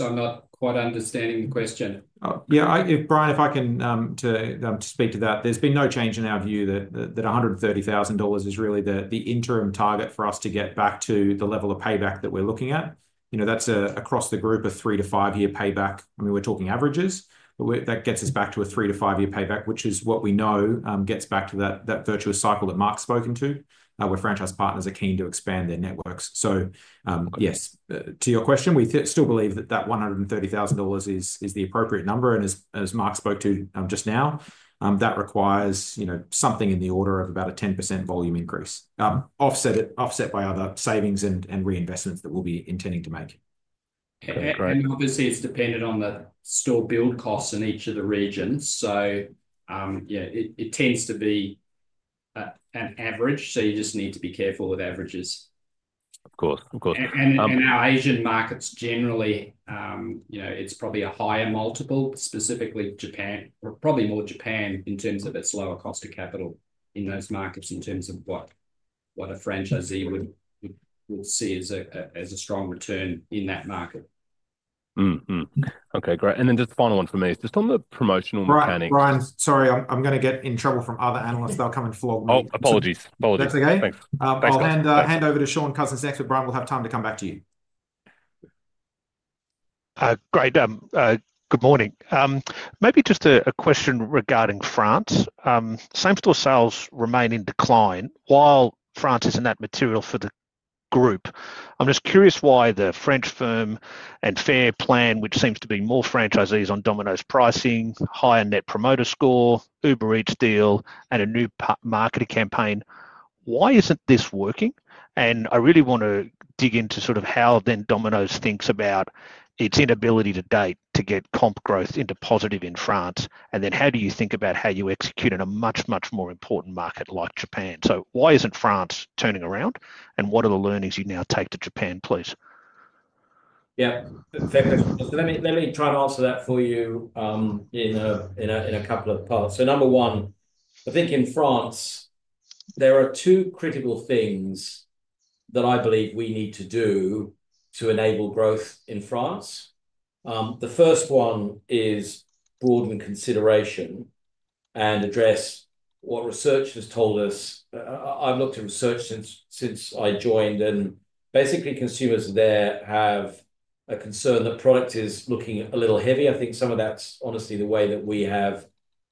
I'm not quite understanding the question. Yeah. Brian, if I can speak to that, there's been no change in our view that 130,000 dollars is really the interim target for us to get back to the level of payback that we're looking at. That's across the group of three-to-five-year payback. I mean, we're talking averages, but that gets us back to a three-to-five-year payback, which is what we know gets back to that virtuous cycle that Mark's spoken to, where franchise partners are keen to expand their networks. So yes, to your question, we still believe that that 130,000 dollars is the appropriate number. And as Mark spoke to just now, that requires something in the order of about a 10% volume increase, offset by other savings and reinvestments that we'll be intending to make. And obviously, it's dependent on the store build costs in each of the regions. So yeah, it tends to be an average. So you just need to be careful with averages. Of course. Of course. And in our Asian markets, generally, it's probably a higher multiple, specifically Japan, or probably more Japan in terms of its lower cost of capital in those markets in terms of what a franchisee would see as a strong return in that market. Okay. Great. And then just the final one for me is just on the promotional mechanics. Right. Brian, sorry, I'm going to get in trouble from other analysts. They'll come and floor me. Oh, apologies. Apologies. That's okay. And hand over to Shaun Cousins next, but Brian, we'll have time to come back to you. Great. Good morning. Maybe just a question regarding France. Same-store sales remain in decline while France isn't that material for the group. I'm just curious why the France's Full Potential Plan, which seems to be more franchisees own Domino's pricing, higher Net Promoter Score, Uber Eats deal, and a new marketing campaign, why isn't this working? And I really want to dig into sort of how then Domino's thinks about its inability to date to get comp growth into positive in France, and then how do you think about how you execute in a much, much more important market like Japan? So why isn't France turning around, and what are the learnings you now take to Japan, please? Yeah. Thank you. Let me try and answer that for you in a couple of parts. Number one, I think in France, there are two critical things that I believe we need to do to enable growth in France. The first one is broaden consideration and address what research has told us. I've looked at research since I joined, and basically, consumers there have a concern that product is looking a little heavy. I think some of that's honestly the way that we have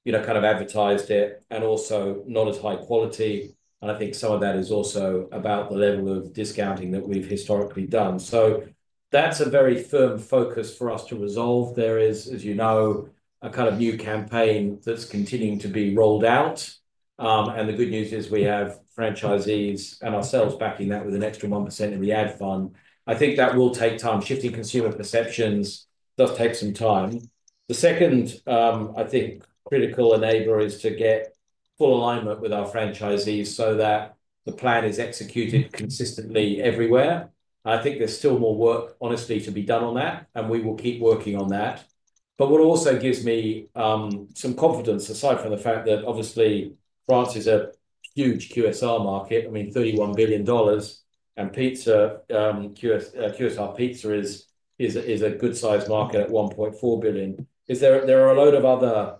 kind of advertised it and also not as high quality, and I think some of that is also about the level of discounting that we've historically done, so that's a very firm focus for us to resolve. There is, as you know, a kind of new campaign that's continuing to be rolled out, and the good news is we have franchisees and ourselves backing that with an extra 1% in the Ad fund. I think that will take time. Shifting consumer perceptions does take some time. The second, I think, critical enabler is to get full alignment with our franchisees so that the plan is executed consistently everywhere. I think there's still more work, honestly, to be done on that, and we will keep working on that. But what also gives me some confidence, aside from the fact that obviously France is a huge QSR market, I mean, EUR 31 billion, and QSR Pizza is a good-sized market at 1.4 billion, is there are a load of other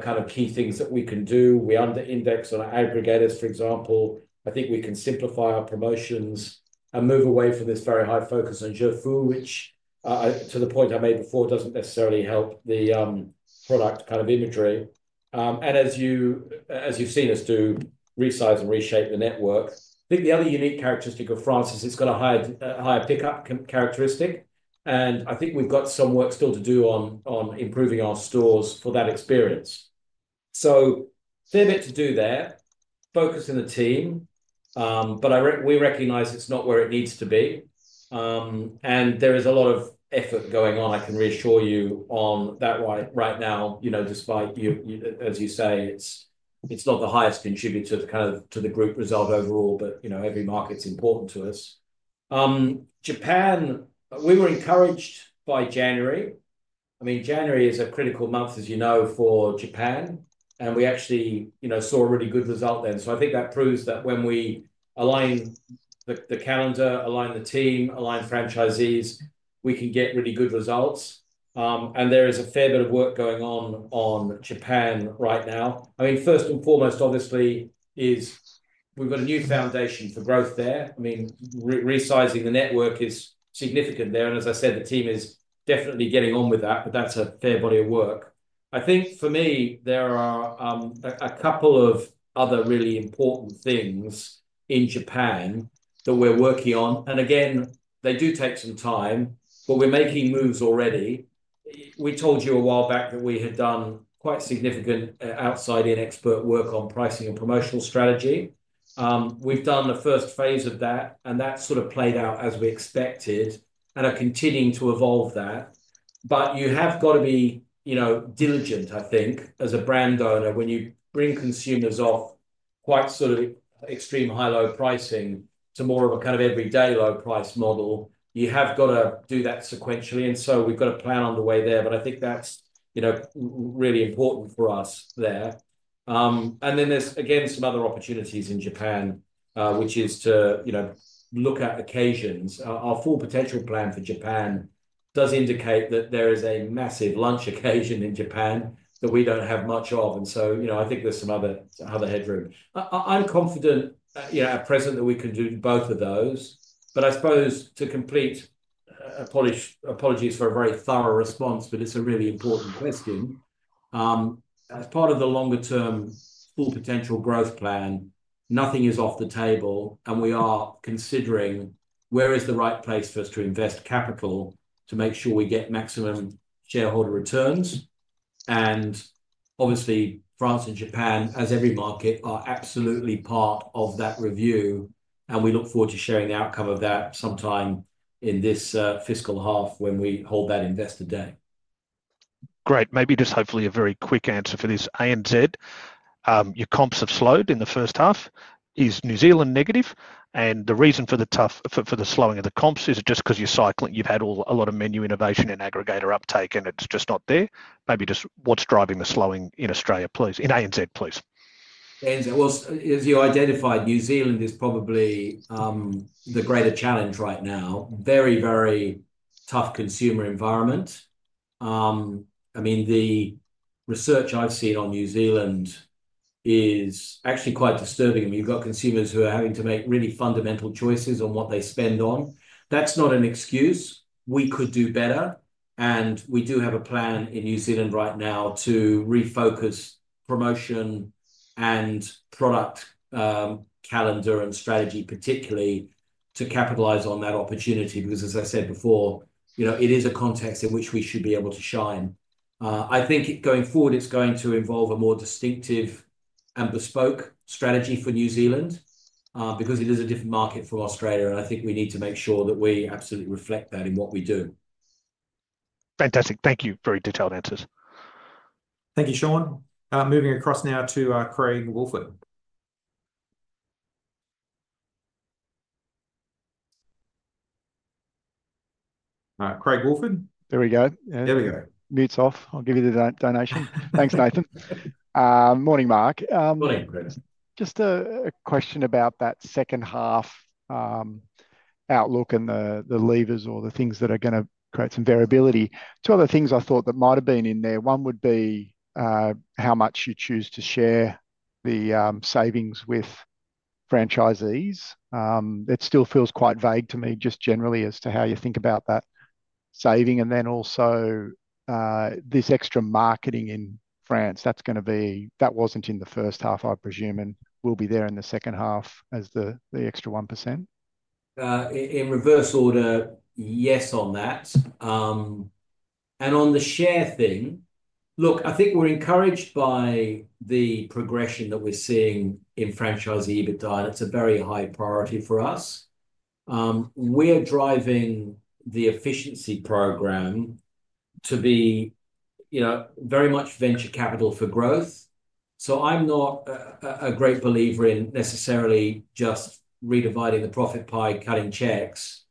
kind of key things that we can do. We under-index on aggregators, for example. I think we can simplify our promotions and move away from this very high focus on Jeudi Fou, which, to the point I made before, doesn't necessarily help the product kind of imagery. And as you've seen us do, resize and reshape the network. I think the other unique characteristic of France is it's got a higher pickup characteristic, and I think we've got some work still to do on improving our stores for that experience, so there's a bit to do there, focus in the team, but we recognize it's not where it needs to be, and there is a lot of effort going on. I can reassure you on that right now, despite, as you say, it's not the highest contributor to the group result overall, but every market's important to us. Japan, we were encouraged by January. I mean, January is a critical month, as you know, for Japan, and we actually saw a really good result then, so I think that proves that when we align the calendar, align the team, align franchisees, we can get really good results. There is a fair bit of work going on in Japan right now. I mean, first and foremost, obviously, we've got a new foundation for growth there. I mean, resizing the network is significant there. As I said, the team is definitely getting on with that, but that's a fair body of work. I think for me, there are a couple of other really important things in Japan that we're working on. Again, they do take some time, but we're making moves already. We told you a while back that we had done quite significant outside-in expert work on pricing and promotional strategy. We've done the first phase of that, and that sort of played out as we expected and are continuing to evolve that. You have got to be diligent, I think, as a brand owner. When you bring consumers off quite sort of extreme high-low pricing to more of a kind of everyday low-price model, you have got to do that sequentially. And so we've got a plan on the way there, but I think that's really important for us there. And then there's, again, some other opportunities in Japan, which is to look at occasions. Our full potential plan for Japan does indicate that there is a massive lunch occasion in Japan that we don't have much of. And so I think there's some other headroom. I'm confident at present that we can do both of those, but I suppose to complete, apologies for a very thorough response, but it's a really important question. As part of the longer-term Full Potential Plan, nothing is off the table, and we are considering where is the right place for us to invest capital to make sure we get maximum shareholder returns. Obviously, France and Japan, as every market, are absolutely part of that review, and we look forward to sharing the outcome of that sometime in this fiscal half when we hold that Investor Day. Great. Maybe just hopefully a very quick answer for this. ANZ, your comps have slowed in the first half. Is New Zealand negative? The reason for the slowing of the comps is just because you're cycling? You've had a lot of menu innovation and aggregator uptake, and it's just not there. Maybe just what's driving the slowing in Australia, please? In ANZ, please. ANZ, well, as you identified, New Zealand is probably the greater challenge right now. Very, very tough consumer environment. I mean, the research I've seen on New Zealand is actually quite disturbing. I mean, you've got consumers who are having to make really fundamental choices on what they spend on. That's not an excuse. We could do better. And we do have a plan in New Zealand right now to refocus promotion and product calendar and strategy, particularly to capitalize on that opportunity. Because, as I said before, it is a context in which we should be able to shine. I think going forward, it's going to involve a more distinctive and bespoke strategy for New Zealand because it is a different market from Australia. And I think we need to make sure that we absolutely reflect that in what we do. Fantastic. Thank you. Very detailed answers. Thank you, Shaun. Moving across now to Craig Woolford. Craig Woolford. There we go. There we go. Mutes off. I'll give you the floor. Thanks, Nathan. Morning, Mark. Morning, Craig. Just a question about that second-half outlook and the levers or the things that are going to create some variability. Two other things I thought that might have been in there. One would be how much you choose to share the savings with franchisees. It still feels quite vague to me, just generally as to how you think about that saving. And then also this extra marketing in France, that's going to be, that wasn't in the first half, I presume, and will be there in the second half as the extra 1%. In reverse order, yes on that. And on the share thing, look, I think we're encouraged by the progression that we're seeing in franchisee EBITDA, and it's a very high priority for us. We are driving the efficiency program to be very much venture capital for growth. So I'm not a great believer in necessarily just redividing the profit pie, cutting checks,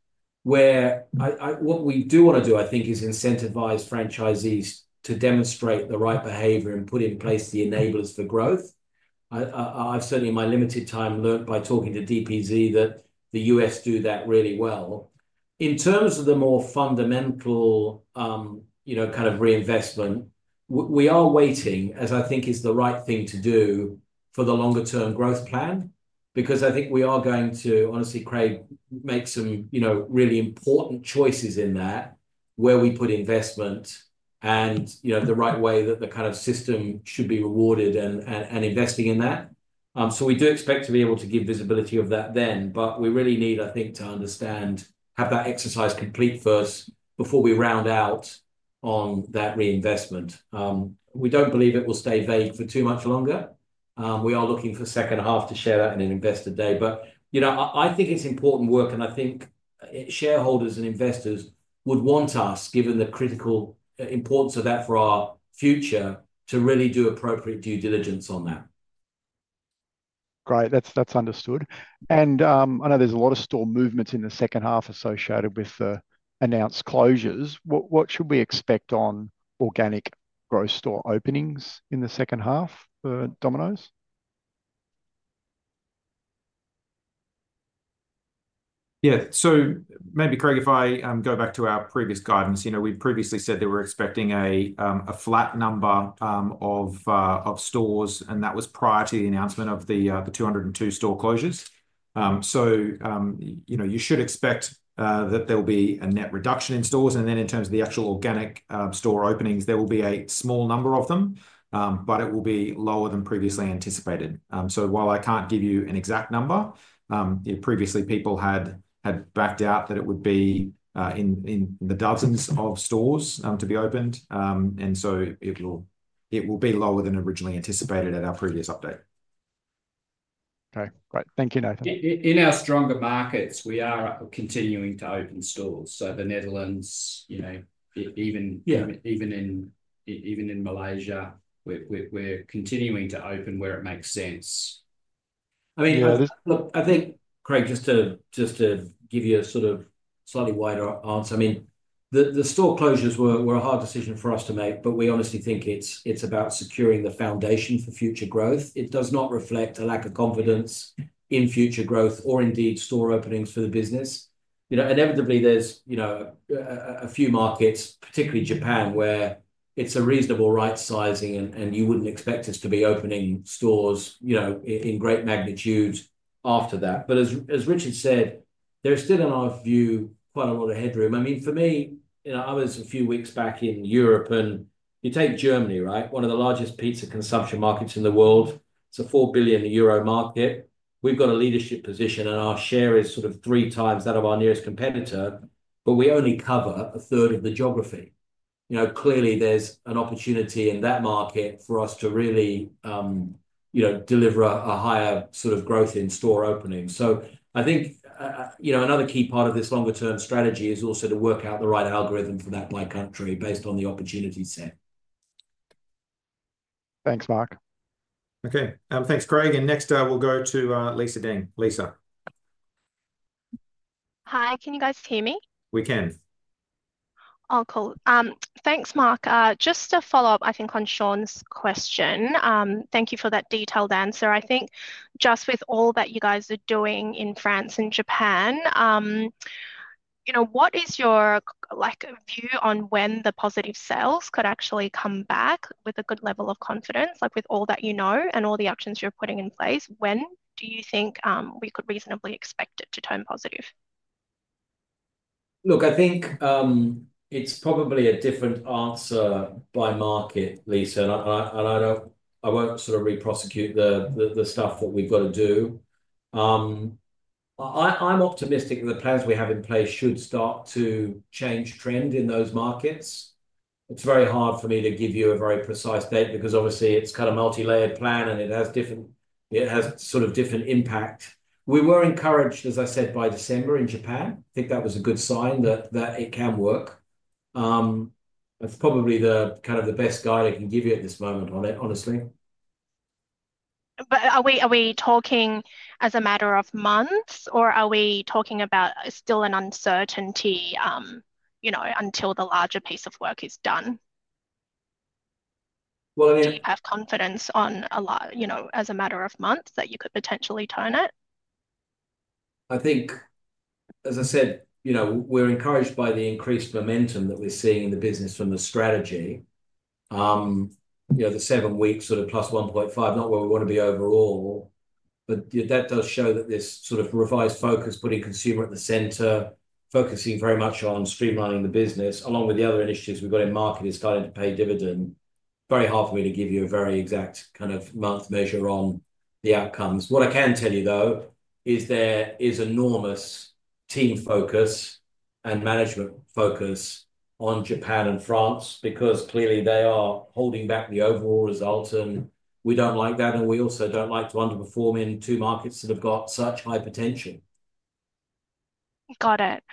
where what we do want to do, I think, is incentivize franchisees to demonstrate the right behavior and put in place the enablers for growth. I've certainly, in my limited time, learned by talking to DPZ that the U.S. do that really well. In terms of the more fundamental kind of reinvestment, we are waiting, as I think is the right thing to do for the longer-term growth plan, because I think we are going to, honestly, Craig, make some really important choices in that, where we put investment and the right way that the kind of system should be rewarded and investing in that. So we do expect to be able to give visibility of that then, but we really need, I think, to understand, have that exercise complete first before we round out on that reinvestment. We don't believe it will stay vague for too much longer. We are looking for second half to share that in an investor day. But I think it's important work, and I think shareholders and investors would want us, given the critical importance of that for our future, to really do appropriate due diligence on that. Great. That's understood. And I know there's a lot of store movements in the second half associated with the announced closures. What should we expect on organic growth store openings in the second half for Domino's? Yeah. So maybe, Craig, if I go back to our previous guidance, we've previously said that we're expecting a flat number of stores, and that was prior to the announcement of the 202 store closures. So you should expect that there will be a net reduction in stores. And then in terms of the actual organic store openings, there will be a small number of them, but it will be lower than previously anticipated. So while I can't give you an exact number, previously, people had backed out that it would be in the dozens of stores to be opened. And so it will be lower than originally anticipated at our previous update. Okay. Great. Thank you, Nathan. In our stronger markets, we are continuing to open stores. So the Netherlands, even in Malaysia, we're continuing to open where it makes sense. I mean, look, I think, Craig, just to give you a sort of slightly wider answer, I mean, the store closures were a hard decision for us to make, but we honestly think it's about securing the foundation for future growth. It does not reflect a lack of confidence in future growth or indeed store openings for the business. Inevitably, there's a few markets, particularly Japan, where it's a reasonable right sizing, and you wouldn't expect us to be opening stores in great magnitude after that. But as Richard said, there's still, in our view, quite a lot of headroom. I mean, for me, I was a few weeks back in Europe, and you take Germany, right? One of the largest pizza consumption markets in the world. It's a 4 billion euro market. We've got a leadership position, and our share is sort of three times that of our nearest competitor, but we only cover a third of the geography. Clearly, there's an opportunity in that market for us to really deliver a higher sort of growth in store openings. So I think another key part of this longer-term strategy is also to work out the right algorithm for that by country based on the opportunity set. Thanks, Mark. Okay. Thanks, Craig. And next, we'll go to Lisa Deng. Lisa. Hi. Can you guys hear me? We can. All cool. Thanks, Mark. Just to follow up, I think, on Shaun's question, thank you for that detailed answer. I think just with all that you guys are doing in France and Japan, what is your view on when the positive sales could actually come back with a good level of confidence, with all that you know and all the options you're putting in place? When do you think we could reasonably expect it to turn positive? Look, I think it's probably a different answer by market, Lisa, and I won't sort of re-prosecute the stuff that we've got to do. I'm optimistic that the plans we have in place should start to change trend in those markets. It's very hard for me to give you a very precise date because, obviously, it's kind of a multi-layered plan, and it has sort of different impact. We were encouraged, as I said, by December in Japan. I think that was a good sign that it can work. That's probably kind of the best guide I can give you at this moment on it, honestly. But are we talking as a matter of months, or are we talking about still an uncertainty until the larger piece of work is done? Well, I mean. Have confidence on as a matter of months that you could potentially turn it? I think, as I said, we're encouraged by the increased momentum that we're seeing in the business from the strategy. The seven weeks sort of +1.5, not where we want to be overall, but that does show that this sort of revised focus, putting consumer at the center, focusing very much on streamlining the business, along with the other initiatives we've got in market, is starting to pay dividend. Very hard for me to give you a very exact kind of month measure on the outcomes. What I can tell you, though, is there is enormous team focus and management focus on Japan and France because, clearly, they are holding back the overall result, and we don't like that. And we also don't like to underperform in two markets that have got such high potential. Got it.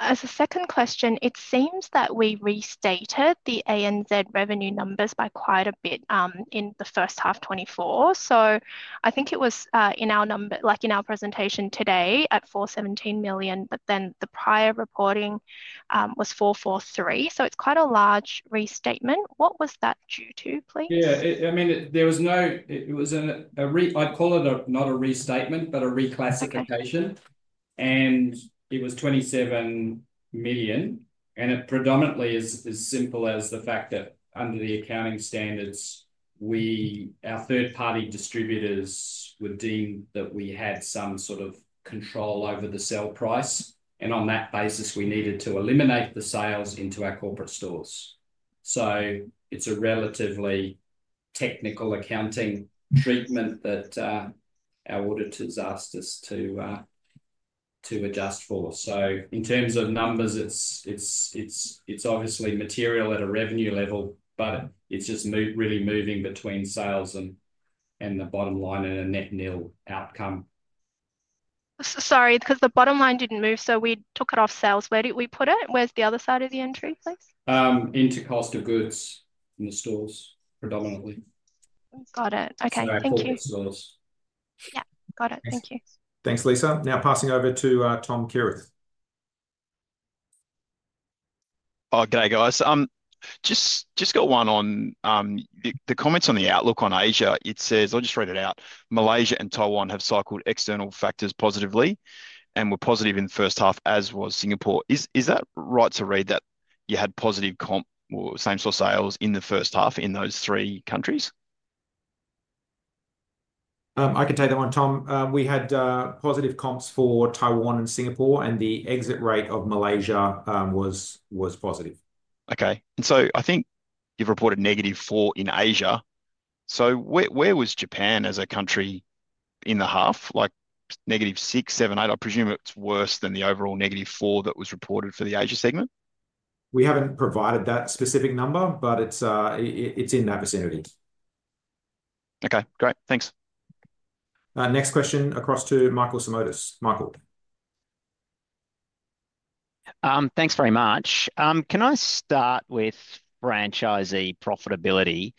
As a second question, it seems that we restated the ANZ revenue numbers by quite a bit in the first half 2024. So I think it was in our presentation today at 417 million, but then the prior reporting was 443 million. So it's quite a large restatement. What was that due to, please? Yeah. I mean, there was no—it was a—I'd call it not a restatement, but a reclassification. And it was 27 million. It predominantly is as simple as the fact that, under the accounting standards, our third-party distributors would deem that we had some sort of control over the sale price. On that basis, we needed to eliminate the sales into our corporate stores. It's a relatively technical accounting treatment that our auditors asked us to adjust for. In terms of numbers, it's obviously material at a revenue level, but it's just really moving between sales and the bottom line and a net nil outcome. Sorry, because the bottom line didn't move. We took it off sales. Where did we put it? Where's the other side of the entry, please? Into cost of goods in the stores, predominantly. Got it. Okay. Thank you. Our corporate stores. Yeah. Got it. Thank you. Thanks, Lisa. Now, passing over to Tom Kierath. Okay, guys. Just got one on the comments on the outlook on Asia. It says, I'll just read it out. Malaysia and Taiwan have cycled external factors positively and were positive in the first half, as was Singapore. Is that right to read that you had positive comp or same-store sales in the first half in those three countries? I can take that one, Tom. We had positive comps for Taiwan and Singapore, and the exit rate of Malaysia was positive. Okay. And so I think you've reported -4% in Asia. So where was Japan as a country in the half? Negative six, seven, eight. I presume it's worse than the overall -4% that was reported for the Asia segment. We haven't provided that specific number, but it's in that vicinity. Okay. Great. Thanks. Next question across to Michael Simotas. Michael. Thanks very much. Can I start with franchisee profitability?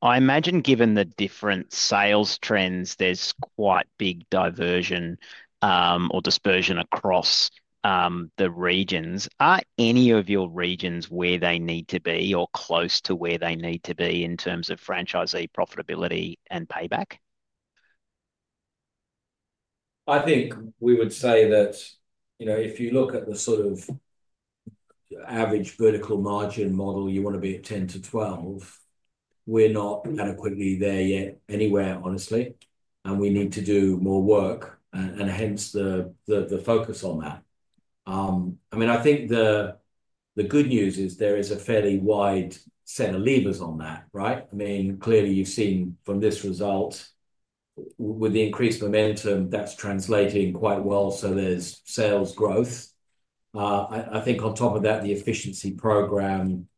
I imagine, given the different sales trends, there's quite big diversion or dispersion across the regions. Are any of your regions where they need to be or close to where they need to be in terms of franchisee profitability and payback? I think we would say that if you look at the sort of average vertical margin model, you want to be at 10%-12%. We're not adequately there yet anywhere, honestly, and we need to do more work, and hence the focus on that. I mean, I think the good news is there is a fairly wide set of levers on that, right? I mean, clearly, you've seen from this result, with the increased momentum, that's translating quite well, so there's sales growth. I think on top of that, the efficiency program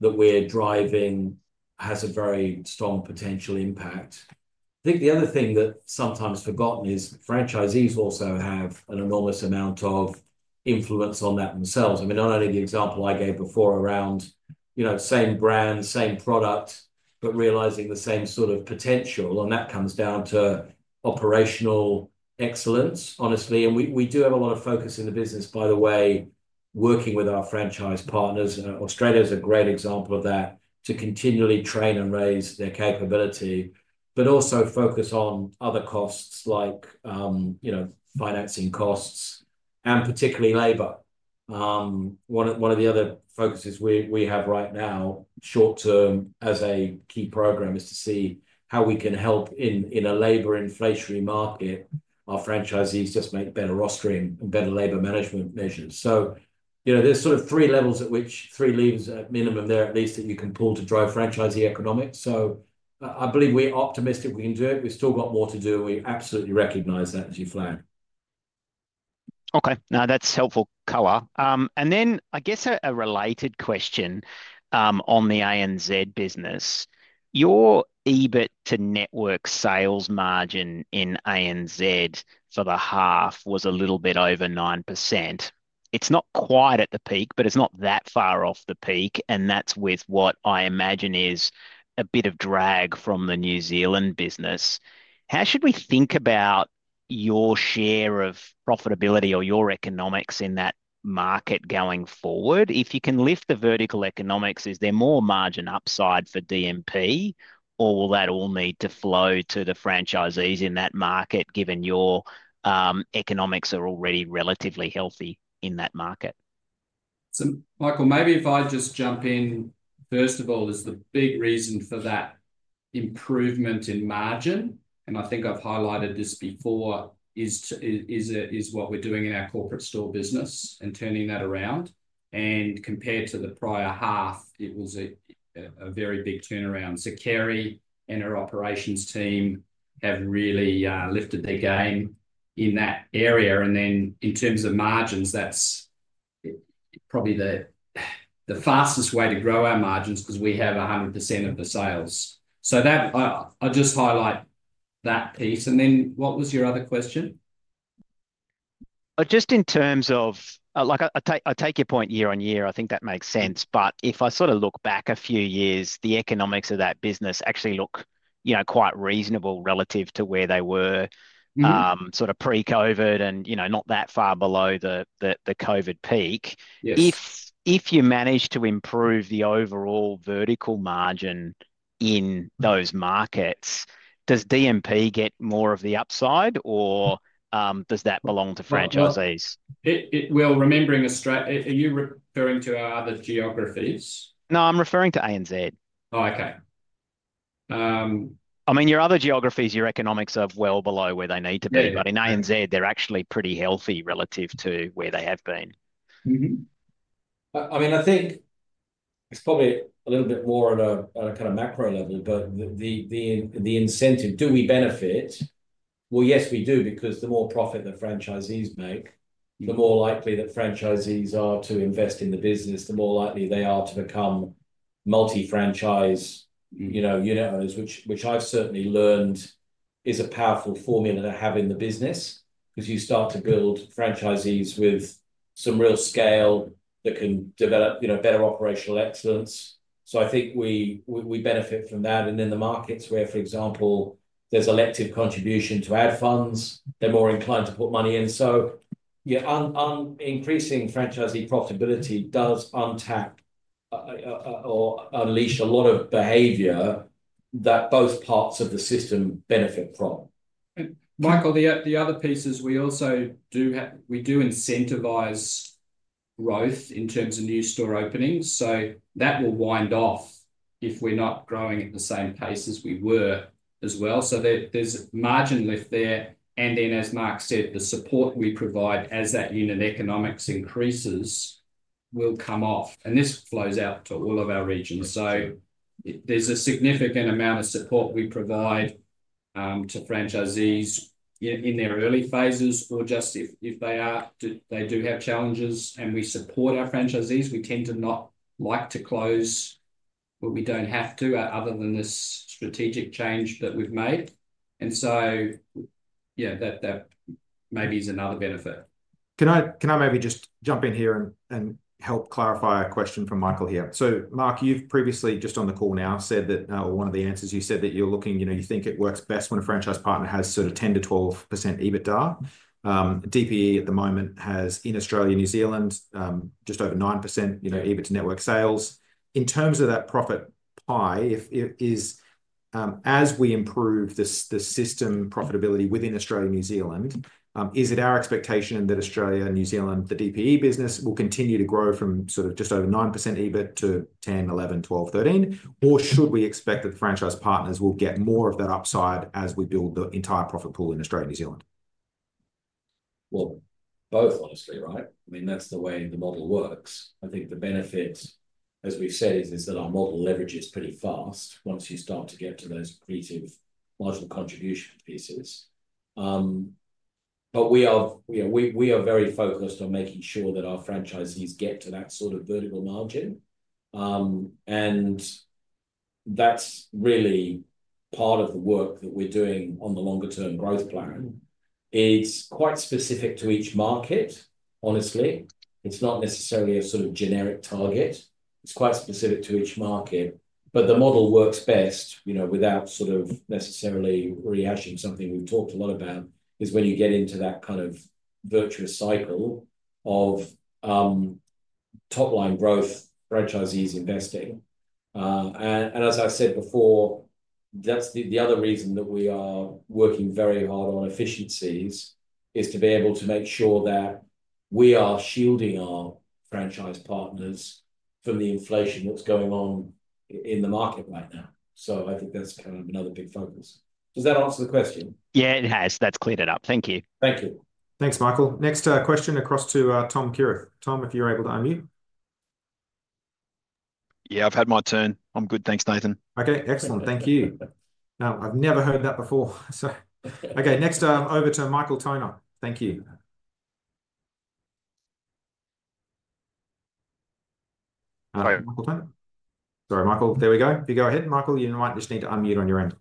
that we're driving has a very strong potential impact. I think the other thing that's sometimes forgotten is franchisees also have an enormous amount of influence on that themselves. I mean, not only the example I gave before around same brand, same product, but realizing the same sort of potential. And that comes down to operational excellence, honestly. And we do have a lot of focus in the business, by the way, working with our franchise partners. Australia is a great example of that, to continually train and raise their capability, but also focus on other costs like financing costs and particularly labor. One of the other focuses we have right now, short-term, as a key program, is to see how we can help in a labor inflationary market, our franchisees just make better rostering and better labor management measures. So there's sort of three levels at which, at minimum, at least, that you can pull to drive franchisee economics. So I believe we're optimistic we can do it. We've still got more to do. We absolutely recognize that as you flagged. Okay. No, that's helpful color. And then I guess a related question on the ANZ business. Your EBIT to network sales margin in ANZ for the half was a little bit over 9%. It's not quite at the peak, but it's not that far off the peak. And that's with what I imagine is a bit of drag from the New Zealand business. How should we think about your share of profitability or your economics in that market going forward? If you can lift the vertical economics, is there more margin upside for DPE, or will that all need to flow to the franchisees in that market, given your economics are already relatively healthy in that market? So, Michael, maybe if I just jump in, first of all, is the big reason for that improvement in margin, and I think I've highlighted this before, is what we're doing in our corporate store business and turning that around. And compared to the prior half, it was a very big turnaround. So Kerri and her operations team have really lifted their game in that area. And then in terms of margins, that's probably the fastest way to grow our margins because we have 100% of the sales. So I'll just highlight that piece. And then what was your other question? Just in terms of I take your point year-on-year. I think that makes sense. But if I sort of look back a few years, the economics of that business actually look quite reasonable relative to where they were sort of pre-COVID and not that far below the COVID peak. If you manage to improve the overall vertical margin in those markets, does DMP get more of the upside, or does that belong to franchisees? Well, remembering, are you referring to our other geographies? No, I'm referring to ANZ. Oh, okay. I mean, your other geographies, your economics are well below where they need to be. But in ANZ, they're actually pretty healthy relative to where they have been. I mean, I think it's probably a little bit more at a kind of macro level, but the incentive, do we benefit? Yes, we do, because the more profit that franchisees make, the more likely that franchisees are to invest in the business, the more likely they are to become multi-franchise unit owners, which I've certainly learned is a powerful formula to have in the business because you start to build franchisees with some real scale that can develop better operational excellence. I think we benefit from that. Then the markets where, for example, there's elective contribution to ad funds, they're more inclined to put money in. Increasing franchisee profitability does unlock or unleash a lot of behavior that both parts of the system benefit from. Michael, the other piece is we do incentivize growth in terms of new store openings. That will wind down if we're not growing at the same pace as we were as well. There's margin lift there. Then, as Mark said, the support we provide as that unit economics increases will come off. This flows out to all of our regions. There's a significant amount of support we provide to franchisees in their early phases, or just if they do have challenges and we support our franchisees. We tend to not like to close what we don't have to other than this strategic change that we've made. Yeah, that maybe is another benefit. Can I maybe just jump in here and help clarify a question from Michael here? Mark, you've previously, just on the call now, said that, or one of the answers you said that you're looking, you think it works best when a franchise partner has sort of 10%-12% EBITDA. DPE at the moment has, in Australia, New Zealand, just over 9% EBIT to network sales. In terms of that profit pie, as we improve the system profitability within Australia, New Zealand, is it our expectation that Australia, New Zealand, the DPE business will continue to grow from sort of just over 9% EBIT to 10, 11, 12, 13? Or should we expect that the franchise partners will get more of that upside as we build the entire profit pool in Australia, New Zealand? Well, both, honestly, right? I mean, that's the way the model works. I think the benefit, as we said, is that our model leverages pretty fast once you start to get to those creative marginal contribution pieces. But we are very focused on making sure that our franchisees get to that sort of vertical margin. And that's really part of the work that we're doing on the longer-term growth plan. It's quite specific to each market, honestly. It's not necessarily a sort of generic target. It's quite specific to each market. But the model works best without sort of necessarily rehashing something we've talked a lot about, is when you get into that kind of virtuous cycle of top-line growth, franchisees investing. And as I said before, the other reason that we are working very hard on efficiencies is to be able to make sure that we are shielding our franchise partners from the inflation that's going on in the market right now. So I think that's kind of another big focus. Does that answer the question? Yeah, it has. That's cleared it up. Thank you. Thank you. Thanks, Michael. Next question across to Tom Kierath. Tom, if you're able to unmute. Yeah, I've had my turn. I'm good. Thanks, Nathan. Okay. Excellent. Thank you. Now, I've never heard that before. Okay. Next, over to Michael Toner. Thank you. Sorry, Michael. There we go. If you go ahead, Michael, you might just need to unmute on your end.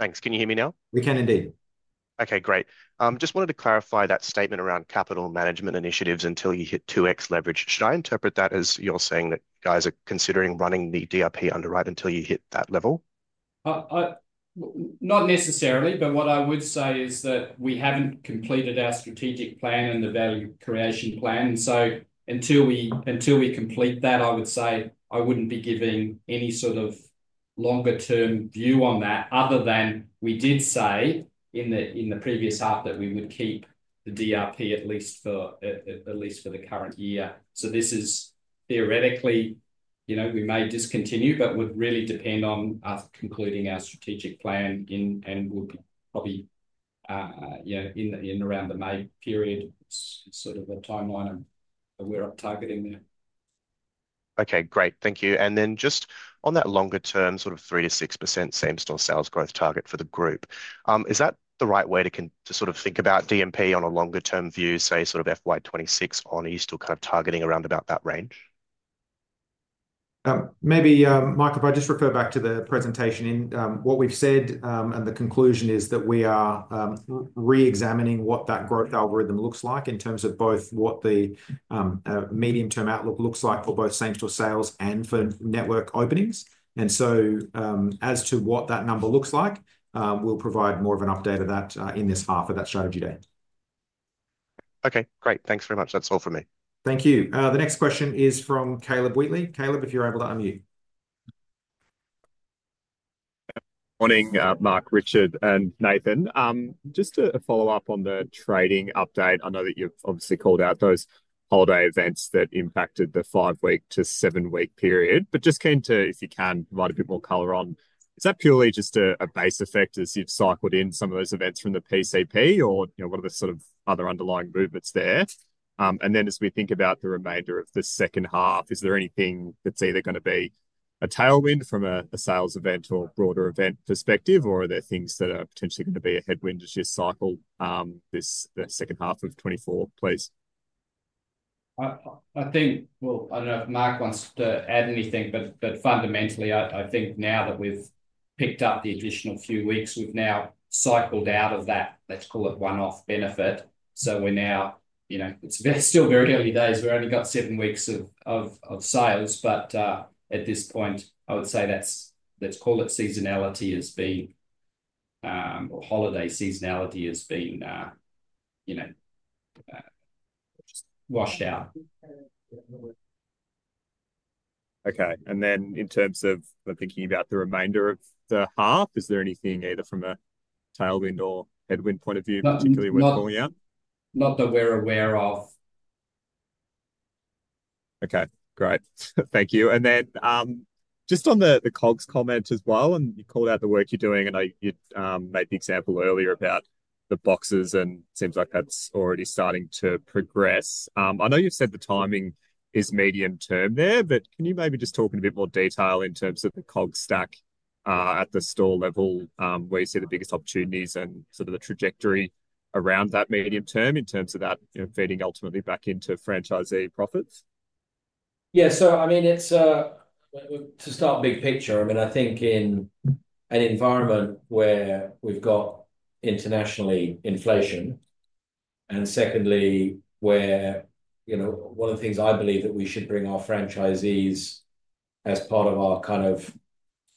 Thanks. Can you hear me now? We can indeed. Okay, great. Just wanted to clarify that statement around capital management initiatives until you hit 2x leverage. Should I interpret that as you're saying that you guys are considering running the DRP underwrite until you hit that level? Not necessarily, but what I would say is that we haven't completed our strategic plan and the value creation plan. And so until we complete that, I would say I wouldn't be giving any sort of longer-term view on that other than we did say in the previous half that we would keep the DRP at least for the current year. So this is theoretically. We may discontinue, but would really depend on us concluding our strategic plan and would be probably in around the May period, sort of the timeline that we're targeting there. Okay, great. Thank you. And then just on that longer-term sort of 3%-6% same-store sales growth target for the group, is that the right way to sort of think about DPE on a longer-term view, say sort of FY26 on? Are you still kind of targeting around about that range? Maybe, Michael, if I just refer back to the presentation, what we've said and the conclusion is that we are re-examining what that growth algorithm looks like in terms of both what the medium-term outlook looks like for both same-store sales and for network openings. And so as to what that number looks like, we'll provide more of an update of that in this half of that strategy day. Okay, great. Thanks very much. That's all for me. Thank you. The next question is from Caleb Wheatley. Caleb, if you're able to unmute. Good morning, Mark, Richard, and Nathan. Just to follow up on the trading update, I know that you've obviously called out those holiday events that impacted the five-week to seven-week period. But just keen to, if you can, provide a bit more color on, is that purely just a base effect as you've cycled in some of those events from the PCP, or what are the sort of other underlying movements there? Then as we think about the remainder of the second half, is there anything that's either going to be a tailwind from a sales event or broader event perspective, or are there things that are potentially going to be a headwind as you cycle the second half of 2024, please? I think. Well, I don't know if Mark wants to add anything, but fundamentally, I think now that we've picked up the additional few weeks, we've now cycled out of that. Let's call it one-off benefit. So we're now. It's still very early days. We've only got seven weeks of sales. But at this point, I would say let's call it seasonality as being or holiday seasonality as being washed out. Okay. And then, in terms of thinking about the remainder of the half, is there anything either from a tailwind or headwind point of view, particularly with falling out? Not that we're aware of. Okay. Great. Thank you. And then just on the COGS comment as well, and you called out the work you're doing, and you made the example earlier about the boxes, and it seems like that's already starting to progress. I know you've said the timing is medium-term there, but can you maybe just talk in a bit more detail in terms of the COGS stack at the store level where you see the biggest opportunities and sort of the trajectory around that medium-term in terms of that feeding ultimately back into franchisee profits? Yeah. So I mean, to start a big picture, I mean, I think in an environment where we've got international inflation, and secondly, where one of the things I believe that we should bring our franchisees as part of our kind of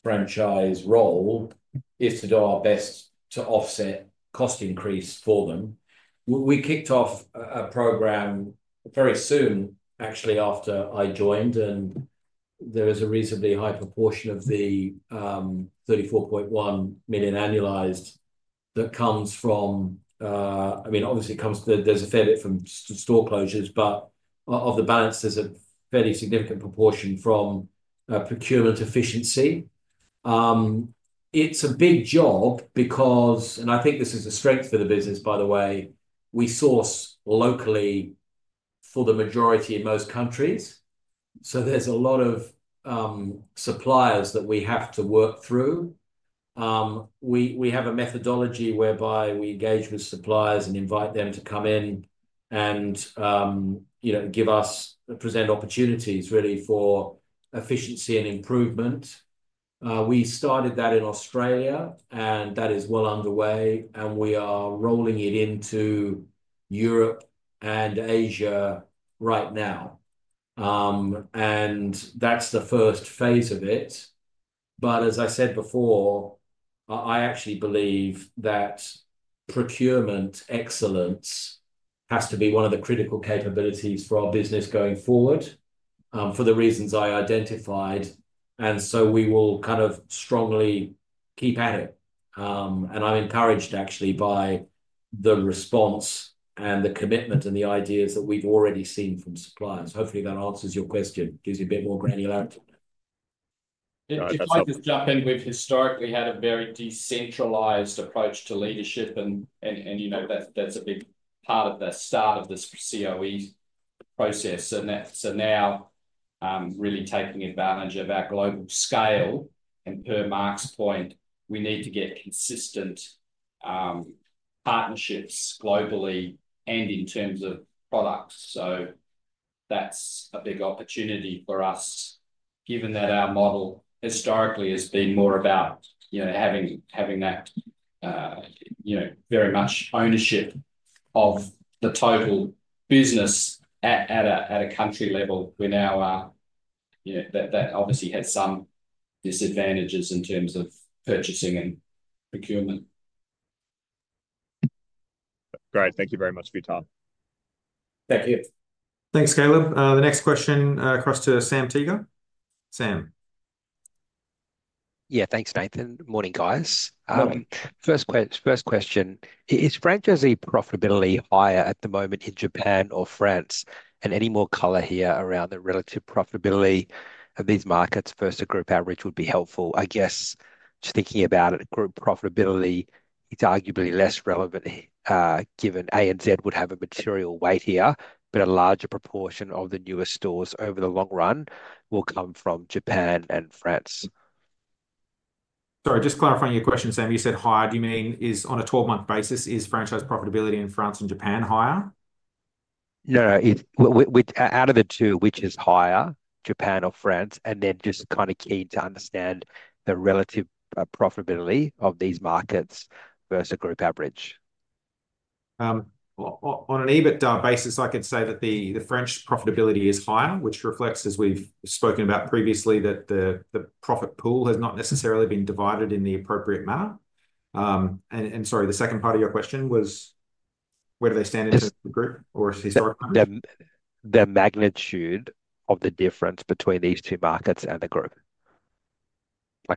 franchise role is to do our best to offset cost increase for them. We kicked off a program very soon, actually, after I joined, and there is a reasonably high proportion of the 34.1 million annualized that comes from, I mean, obviously, it comes from there's a fair bit from store closures, but of the balance, there's a fairly significant proportion from procurement efficiency. It's a big job because, and I think this is a strength for the business, by the way, we source locally for the majority in most countries. So there's a lot of suppliers that we have to work through. We have a methodology whereby we engage with suppliers and invite them to come in and give us present opportunities really for efficiency and improvement. We started that in Australia, and that is well underway, and we are rolling it into Europe and Asia right now, and that's the first phase of it. But as I said before, I actually believe that procurement excellence has to be one of the critical capabilities for our business going forward for the reasons I identified, but as I said before, I actually believe that procurement excellence has to be one of the critical capabilities for our business going forward for the reasons I identified, and so we will kind of strongly keep at it. And I'm encouraged, actually, by the response and the commitment and the ideas that we've already seen from suppliers. Hopefully, that answers your question, gives you a bit more granularity. If I just jump in with historical, we had a very decentralized approach to leadership, and that's a big part of the start of this COE process. And so now, really taking advantage of our global scale, and per Mark's point, we need to get consistent partnerships globally and in terms of products. So that's a big opportunity for us, given that our model historically has been more about having that very much ownership of the total business at a country level when that obviously has some disadvantages in terms of purchasing and procurement. Great. Thank you very much for your time. Thank you. Thanks, Caleb. The next question across to Sam Teager. Sam. Yeah. Thanks, Nathan. Morning, guys. Morning. First question. Is franchisee profitability higher at the moment in Japan or France? And any more color here around the relative profitability of these markets versus a group average would be helpful. I guess just thinking about it, group profitability, it's arguably less relevant given ANZ would have a material weight here, but a larger proportion of the newer stores over the long run will come from Japan and France. Sorry, just clarifying your question, Sam. You said higher. Do you mean on a 12-month basis, is franchise profitability in France and Japan higher? Yeah. Out of the two, which is higher, Japan or France? And then just kind of keen to understand the relative profitability of these markets versus a group average. On an EBITDA basis, I could say that the French profitability is higher, which reflects, as we've spoken about previously, that the profit pool has not necessarily been divided in the appropriate manner. And sorry, the second part of your question was, where do they stand in terms of the group or historically? The magnitude of the difference between these two markets and the group.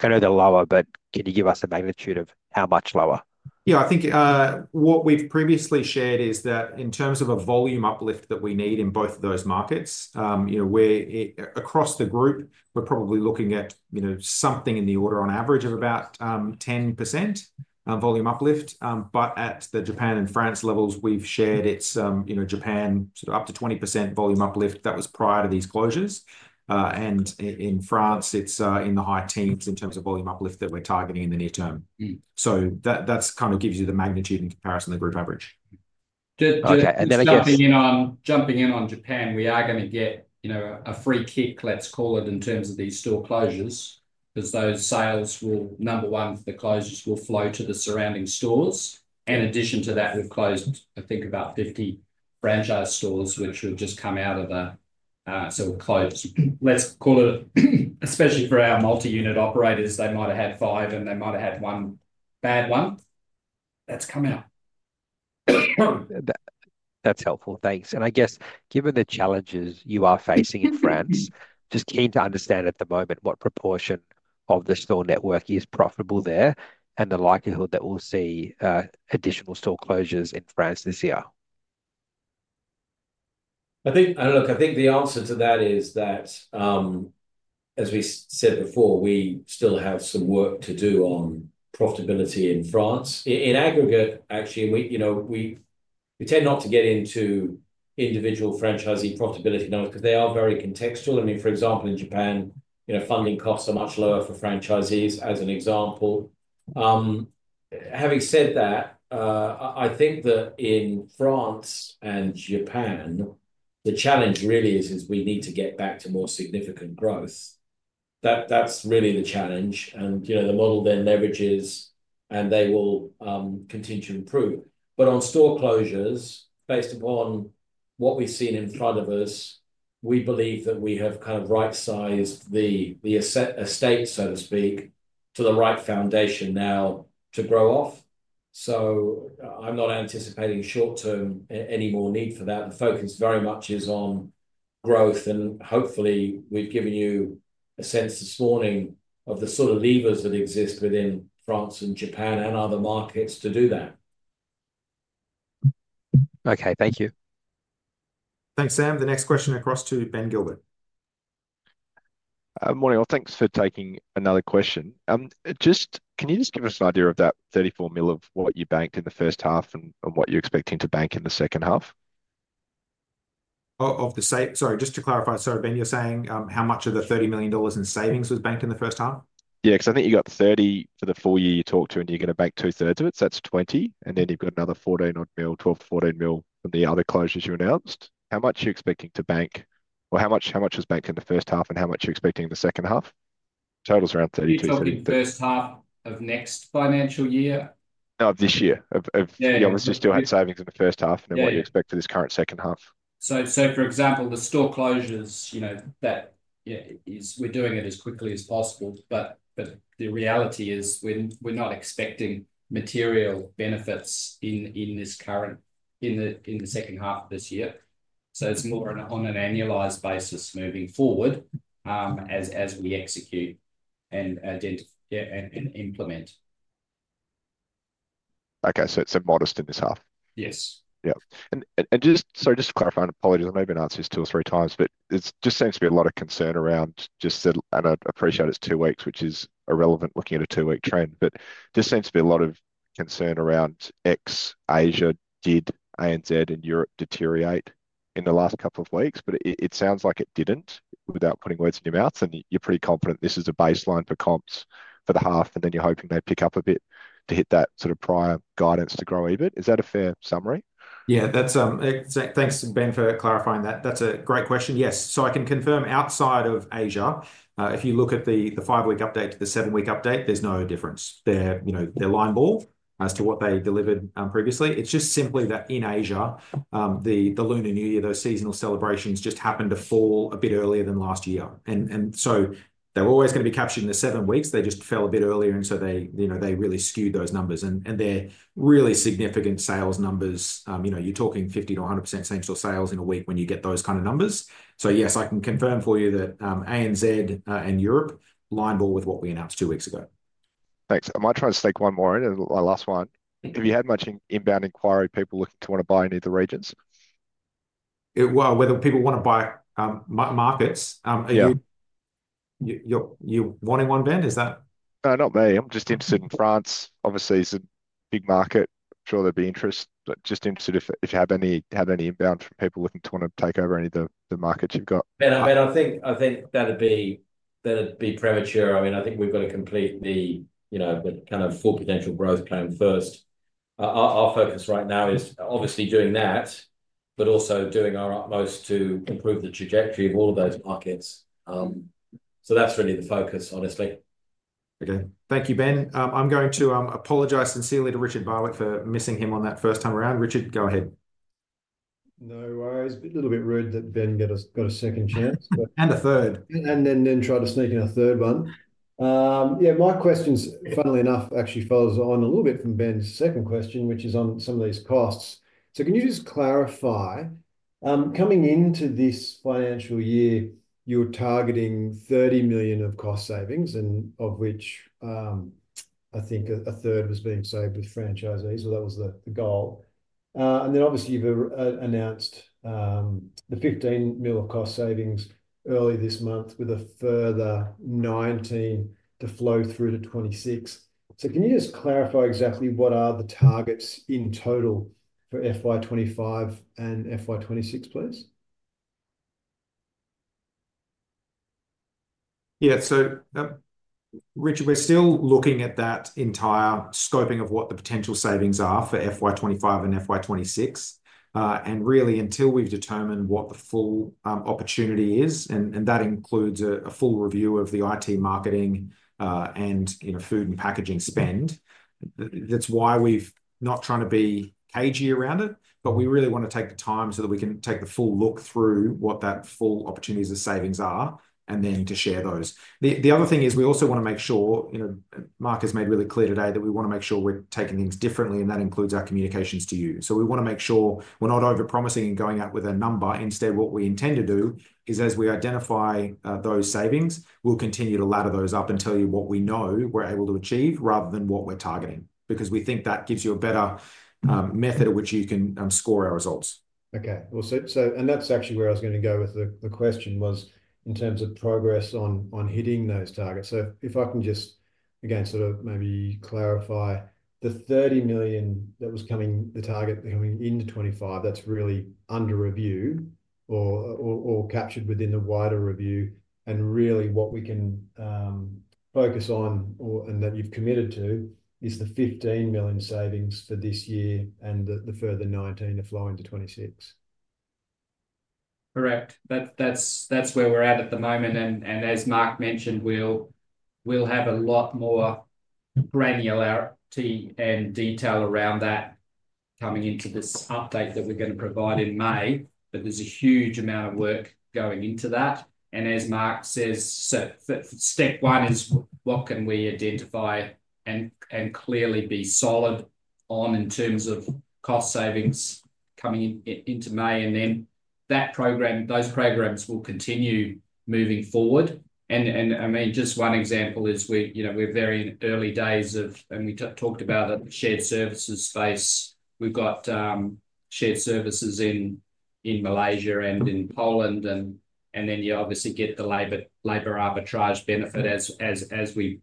I know they're lower, but can you give us a magnitude of how much lower? Yeah. I think what we've previously shared is that in terms of a volume uplift that we need in both of those markets, across the group, we're probably looking at something in the order on average of about 10% volume uplift. But at the Japan and France levels, we've shared it's Japan sort of up to 20% volume uplift that was prior to these closures. And in France, it's in the high teens in terms of volume uplift that we're targeting in the near term. So that kind of gives you the magnitude in comparison to the group average. Okay. And then I guess jumping in on Japan, we are going to get a free kick, let's call it, in terms of these store closures because those sales will, number one, the closures will flow to the surrounding stores. In addition to that, we've closed, I think, about 50 franchise stores which have just come out of the sort of closure. Let's call it, especially for our multi-unit operators, they might have had five and they might have had one bad one. That's come out. That's helpful. Thanks. And I guess given the challenges you are facing in France, just keen to understand at the moment what proportion of the store network is profitable there and the likelihood that we'll see additional store closures in France this year. I think the answer to that is that, as we said before, we still have some work to do on profitability in France. In aggregate, actually, we tend not to get into individual franchisee profitability numbers because they are very contextual. I mean, for example, in Japan, funding costs are much lower for franchisees, as an example. Having said that, I think that in France and Japan, the challenge really is we need to get back to more significant growth. That's really the challenge. And the model then leverages and they will continue to improve. But on store closures, based upon what we've seen in front of us, we believe that we have kind of right-sized the estate, so to speak, to the right foundation now to grow off. So I'm not anticipating short-term any more need for that. The focus very much is on growth. Hopefully, we've given you a sense this morning of the sort of levers that exist within France and Japan and other markets to do that. Okay. Thank you. Thanks, Sam. The next question across to Ben Gilbert. Morning. Well, thanks for taking another question. Can you just give us an idea of that 34 mil of what you banked in the first half and what you're expecting to bank in the second half? Sorry, just to clarify, so Ben, you're saying how much of the 30 million dollars in savings was banked in the first half? Yeah. Because I think you got 30 for the full year you talked to, and you're going to bank two-thirds of it. So that's 20. And then you've got another 14 or 12-14 mil from the other closures you announced. How much are you expecting to bank, or how much was banked in the first half, and how much are you expecting in the second half? Total's around 32. You're talking first half of next financial year? No, of this year. Of obviously, you still had savings in the first half, and then what you expect for this current second half. So for example, the store closures, we're doing it as quickly as possible. But the reality is we're not expecting material benefits in this current, in the second half of this year. So it's more on an annualized basis moving forward as we execute and implement. Okay. So it's a modest in this half. Yes. Yeah. And sorry, just to clarify, and apologies, I may have been answering this two or three times, but it just seems to be a lot of concern around just the, and I appreciate it's two weeks, which is irrelevant looking at a two-week trend. But there seems to be a lot of concern around ex-Asia. Did ANZ and Europe deteriorate in the last couple of weeks? But it sounds like it didn't without putting words in your mouth. And you're pretty confident this is a baseline for comps for the half, and then you're hoping they pick up a bit to hit that sort of prior guidance to grow even. Is that a fair summary? Yeah. Thanks, Ben, for clarifying that. That's a great question. Yes. So I can confirm outside of Asia, if you look at the five-week update to the seven-week update, there's no difference. They're line ball as to what they delivered previously. It's just simply that in Asia, the Lunar New Year, those seasonal celebrations just happened to fall a bit earlier than last year. And so they were always going to be captured in the seven weeks. They just fell a bit earlier, and so they really skewed those numbers. And they're really significant sales numbers. You're talking 50%-100% same-store sales in a week when you get those kind of numbers. So yes, I can confirm for you that ANZ and Europe line ball with what we announced two weeks ago. Thanks. I might try and stick one more in, and last one. Have you had much inbound inquiry, people looking to want to buy in either regions? Well, whether people want to buy markets. Are you wanting one, Ben? Is that? Not me. I'm just interested in France. Obviously, it's a big market. I'm sure there'd be interest, but just interested if you have any inbound from people looking to want to take over any of the markets you've got. Ben, I think that'd be premature. I mean, I think we've got to complete the kind of Full Potential Plan first. Our focus right now is obviously doing that, but also doing our utmost to improve the trajectory of all of those markets. So that's really the focus, honestly. Okay. Thank you, Ben. I'm going to apologize sincerely to Richard Barwick for missing him on that first time around. Richard, go ahead. No worries. A little bit rude that Ben got a second chance. And a third. And then try to sneak in a third one. Yeah. My question, funnily enough, actually follows on a little bit from Ben's second question, which is on some of these costs. So can you just clarify, coming into this financial year, you were targeting 30 million of cost savings, and of which I think a third was being saved with franchisees, or that was the goal. And then obviously, you've announced the 15 million of cost savings early this month with a further 19 million to flow through to 26 million. So can you just clarify exactly what are the targets in total for FY25 and FY26, please? Yeah. So Richard, we're still looking at that entire scoping of what the potential savings are for FY25 and FY26. Really, until we've determined what the full opportunity is, and that includes a full review of the IT marketing and food and packaging spend, that's why we're not trying to be cagey around it. But we really want to take the time so that we can take the full look through what that full opportunities of savings are and then to share those. The other thing is we also want to make sure Mark has made really clear today that we want to make sure we're taking things differently, and that includes our communications to you. So we want to make sure we're not overpromising and going out with a number. Instead, what we intend to do is, as we identify those savings, we'll continue to ladder those up and tell you what we know we're able to achieve rather than what we're targeting because we think that gives you a better method at which you can score our results. Okay. And that's actually where I was going to go with the question was in terms of progress on hitting those targets. So if I can just, again, sort of maybe clarify the 30 million that was coming, the target coming into 2025, that's really under review or captured within the wider review. And really, what we can focus on and that you've committed to is the 15 million savings for this year and the further 19 million to flow into 2026. Correct. That's where we're at at the moment. And as Mark mentioned, we'll have a lot more granularity and detail around that coming into this update that we're going to provide in May. But there's a huge amount of work going into that. And as Mark says, step one is what can we identify and clearly be solid on in terms of cost savings coming into May. And then those programs will continue moving forward. And I mean, just one example is we're very in early days of, and we talked about the shared services space. We've got shared services in Malaysia and in Poland. And then you obviously get the labor arbitrage benefit as we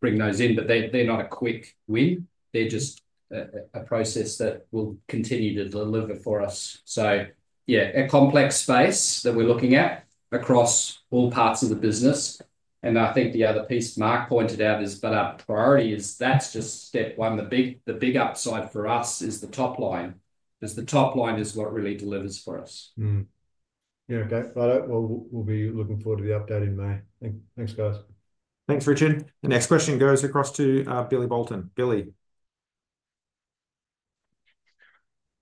bring those in. But they're not a quick win. They're just a process that will continue to deliver for us. So yeah, a complex space that we're looking at across all parts of the business. And I think the other piece Mark pointed out is that our priority is. That's just step one. The big upside for us is the top line because the top line is what really delivers for us. Yeah. Okay. We'll be looking forward to the update in May. Thanks, guys. Thanks, Richard. The next question goes across to Billy Bolton. Billy.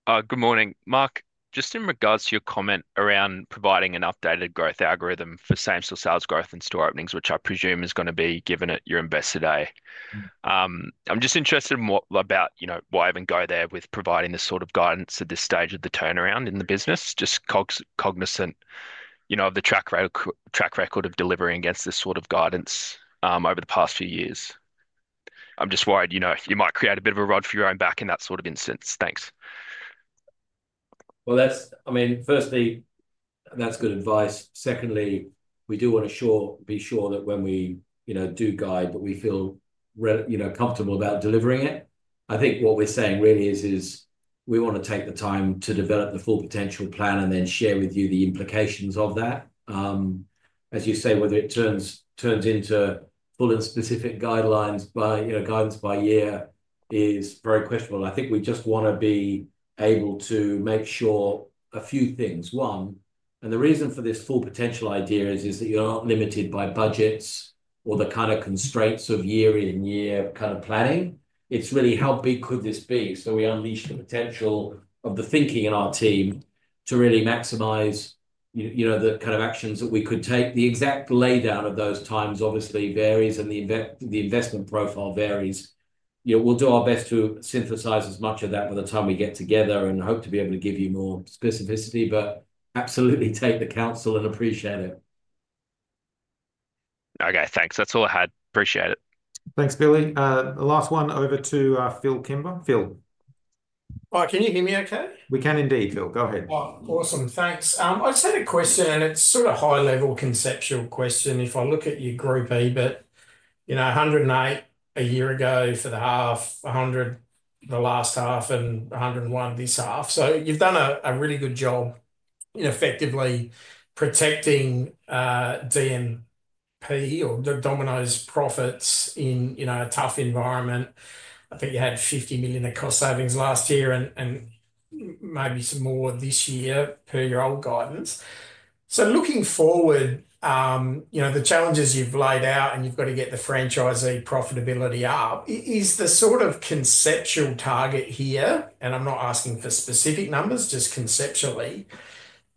Good morning. Mark, just in regards to your comment around providing an updated growth algorithm for same-store sales growth and store openings, which I presume is going to be given at your investor day. I'm just interested in what about why even go there with providing this sort of guidance at this stage of the turnaround in the business, just cognizant of the track record of delivering against this sort of guidance over the past few years. I'm just worried you might create a bit of a rod for your own back in that sort of instance. Thanks. Well, I mean, firstly, that's good advice. Secondly, we do want to be sure that when we do guide, that we feel comfortable about delivering it. I think what we're saying really is we want to take the time to develop the Full Potential Plan and then share with you the implications of that. As you say, whether it turns into full and specific guidelines by guidance by year is very questionable. I think we just want to be able to make sure a few things. One, and the reason for this Full Potential idea is that you're not limited by budgets or the kind of constraints of year-in-year kind of planning. It's really, how big could this be? So we unleash the potential of the thinking in our team to really maximize the kind of actions that we could take. The exact layout of those times obviously varies, and the investment profile varies. We'll do our best to synthesize as much of that by the time we get together and hope to be able to give you more specificity, but absolutely take the counsel and appreciate it. Okay. Thanks. That's all I had. Appreciate it. Thanks, Billy. The last one over to Phil Kimber. Phil. All right. Can you hear me okay? We can indeed, Phil. Go ahead. Awesome. Thanks. I just had a question, and it's sort of a high-level conceptual question. If I look at your group, but 108 a year ago for the half, 100 the last half, and 101 this half. You've done a really good job in effectively protecting DPE or Domino's profits in a tough environment. I think you had 50 million of cost savings last year and maybe some more this year per your old guidance. Looking forward, the challenges you've laid out and you've got to get the franchisee profitability up is the sort of conceptual target here. I'm not asking for specific numbers, just conceptually.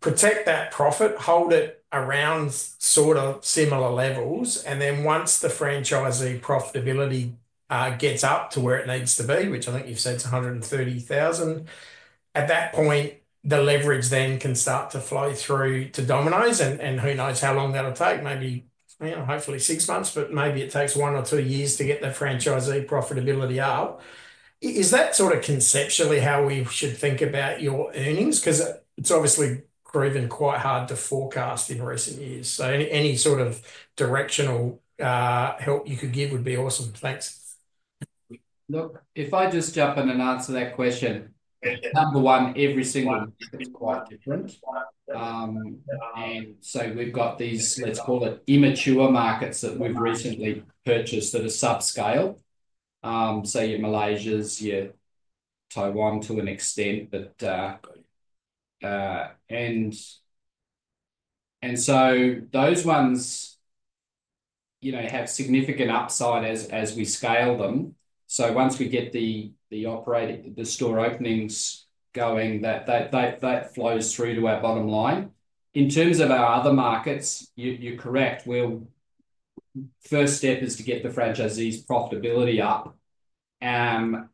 Protect that profit, hold it around sort of similar levels. Then once the franchisee profitability gets up to where it needs to be, which I think you've said is 130,000, at that point, the leverage then can start to flow through to Domino's. Who knows how long that'll take, maybe hopefully six months, but maybe it takes one or two years to get the franchisee profitability up. Is that sort of conceptually how we should think about your earnings? Because it's obviously proven quite hard to forecast in recent years. So any sort of directional help you could give would be awesome. Thanks. Look, if I just jump in and answer that question, number one, every single one is quite different. And so we've got these, let's call it, immature markets that we've recently purchased that are subscale. So your Malaysia's, your Taiwan to an extent. And so those ones have significant upside as we scale them. So once we get the store openings going, that flows through to our bottom line. In terms of our other markets, you're correct. First step is to get the franchisee's profitability up. And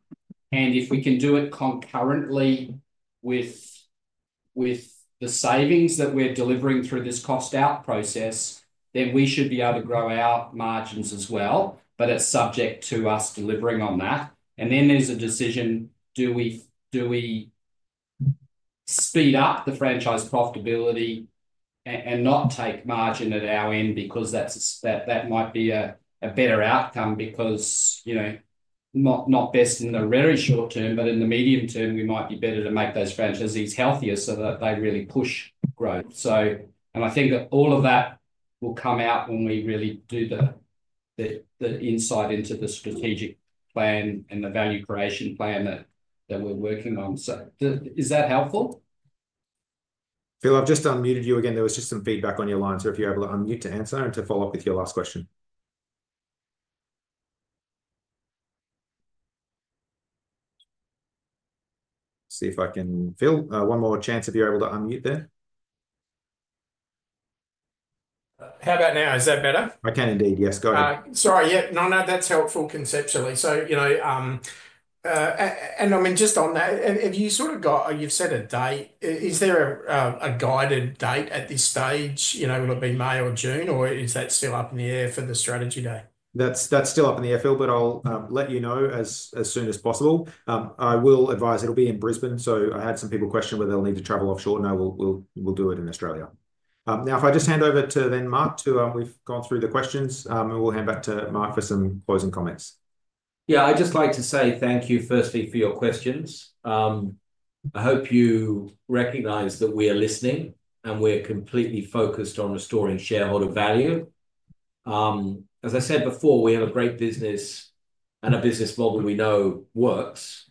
if we can do it concurrently with the savings that we're delivering through this cost-out process, then we should be able to grow our margins as well. But it's subject to us delivering on that. And then there's a decision, do we speed up the franchise profitability and not take margin at our end because that might be a better outcome because not best in the very short term, but in the medium term, we might be better to make those franchisees healthier so that they really push growth. And I think all of that will come out when we really do the insight into the strategic plan and the value creation plan that we're working on. So is that helpful? Phil, I've just unmuted you again. There was just some feedback on your line. So if you're able to unmute to answer and to follow up with your last question. See if I can, Phil, one more chance if you're able to unmute there. How about now? Is that better? I can indeed. Yes. Go ahead. Sorry. Yeah. No, no, that's helpful conceptually. And I mean, just on that, have you sort of got—you've set a date. Is there a guided date at this stage? Will it be May or June, or is that still up in the air for the strategy day? That's still up in the air, Phil, but I'll let you know as soon as possible. I will advise it'll be in Brisbane. So I had some people question whether they'll need to travel offshore. No, we'll do it in Australia. Now, if I just hand over to then Mark to—we've gone through the questions. We'll hand back to Mark for some closing comments. Yeah, I'd just like to say thank you, firstly, for your questions. I hope you recognize that we are listening and we're completely focused on restoring shareholder value. As I said before, we have a great business and a business model we know works.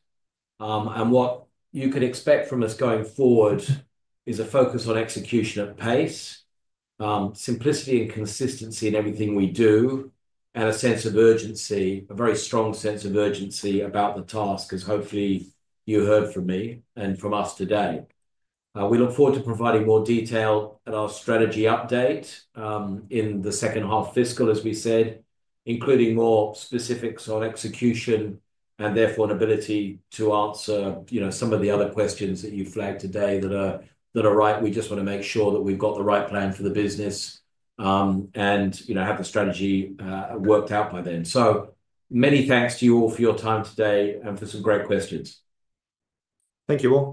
And what you can expect from us going forward is a focus on execution at pace, simplicity and consistency in everything we do, and a sense of urgency, a very strong sense of urgency about the task, as hopefully you heard from me and from us today. We look forward to providing more detail at our strategy update in the second half fiscal, as we said, including more specifics on execution and therefore an ability to answer some of the other questions that you flagged today that are right. We just want to make sure that we've got the right plan for the business and have the strategy worked out by then. So many thanks to you all for your time today and for some great questions. Thank you all.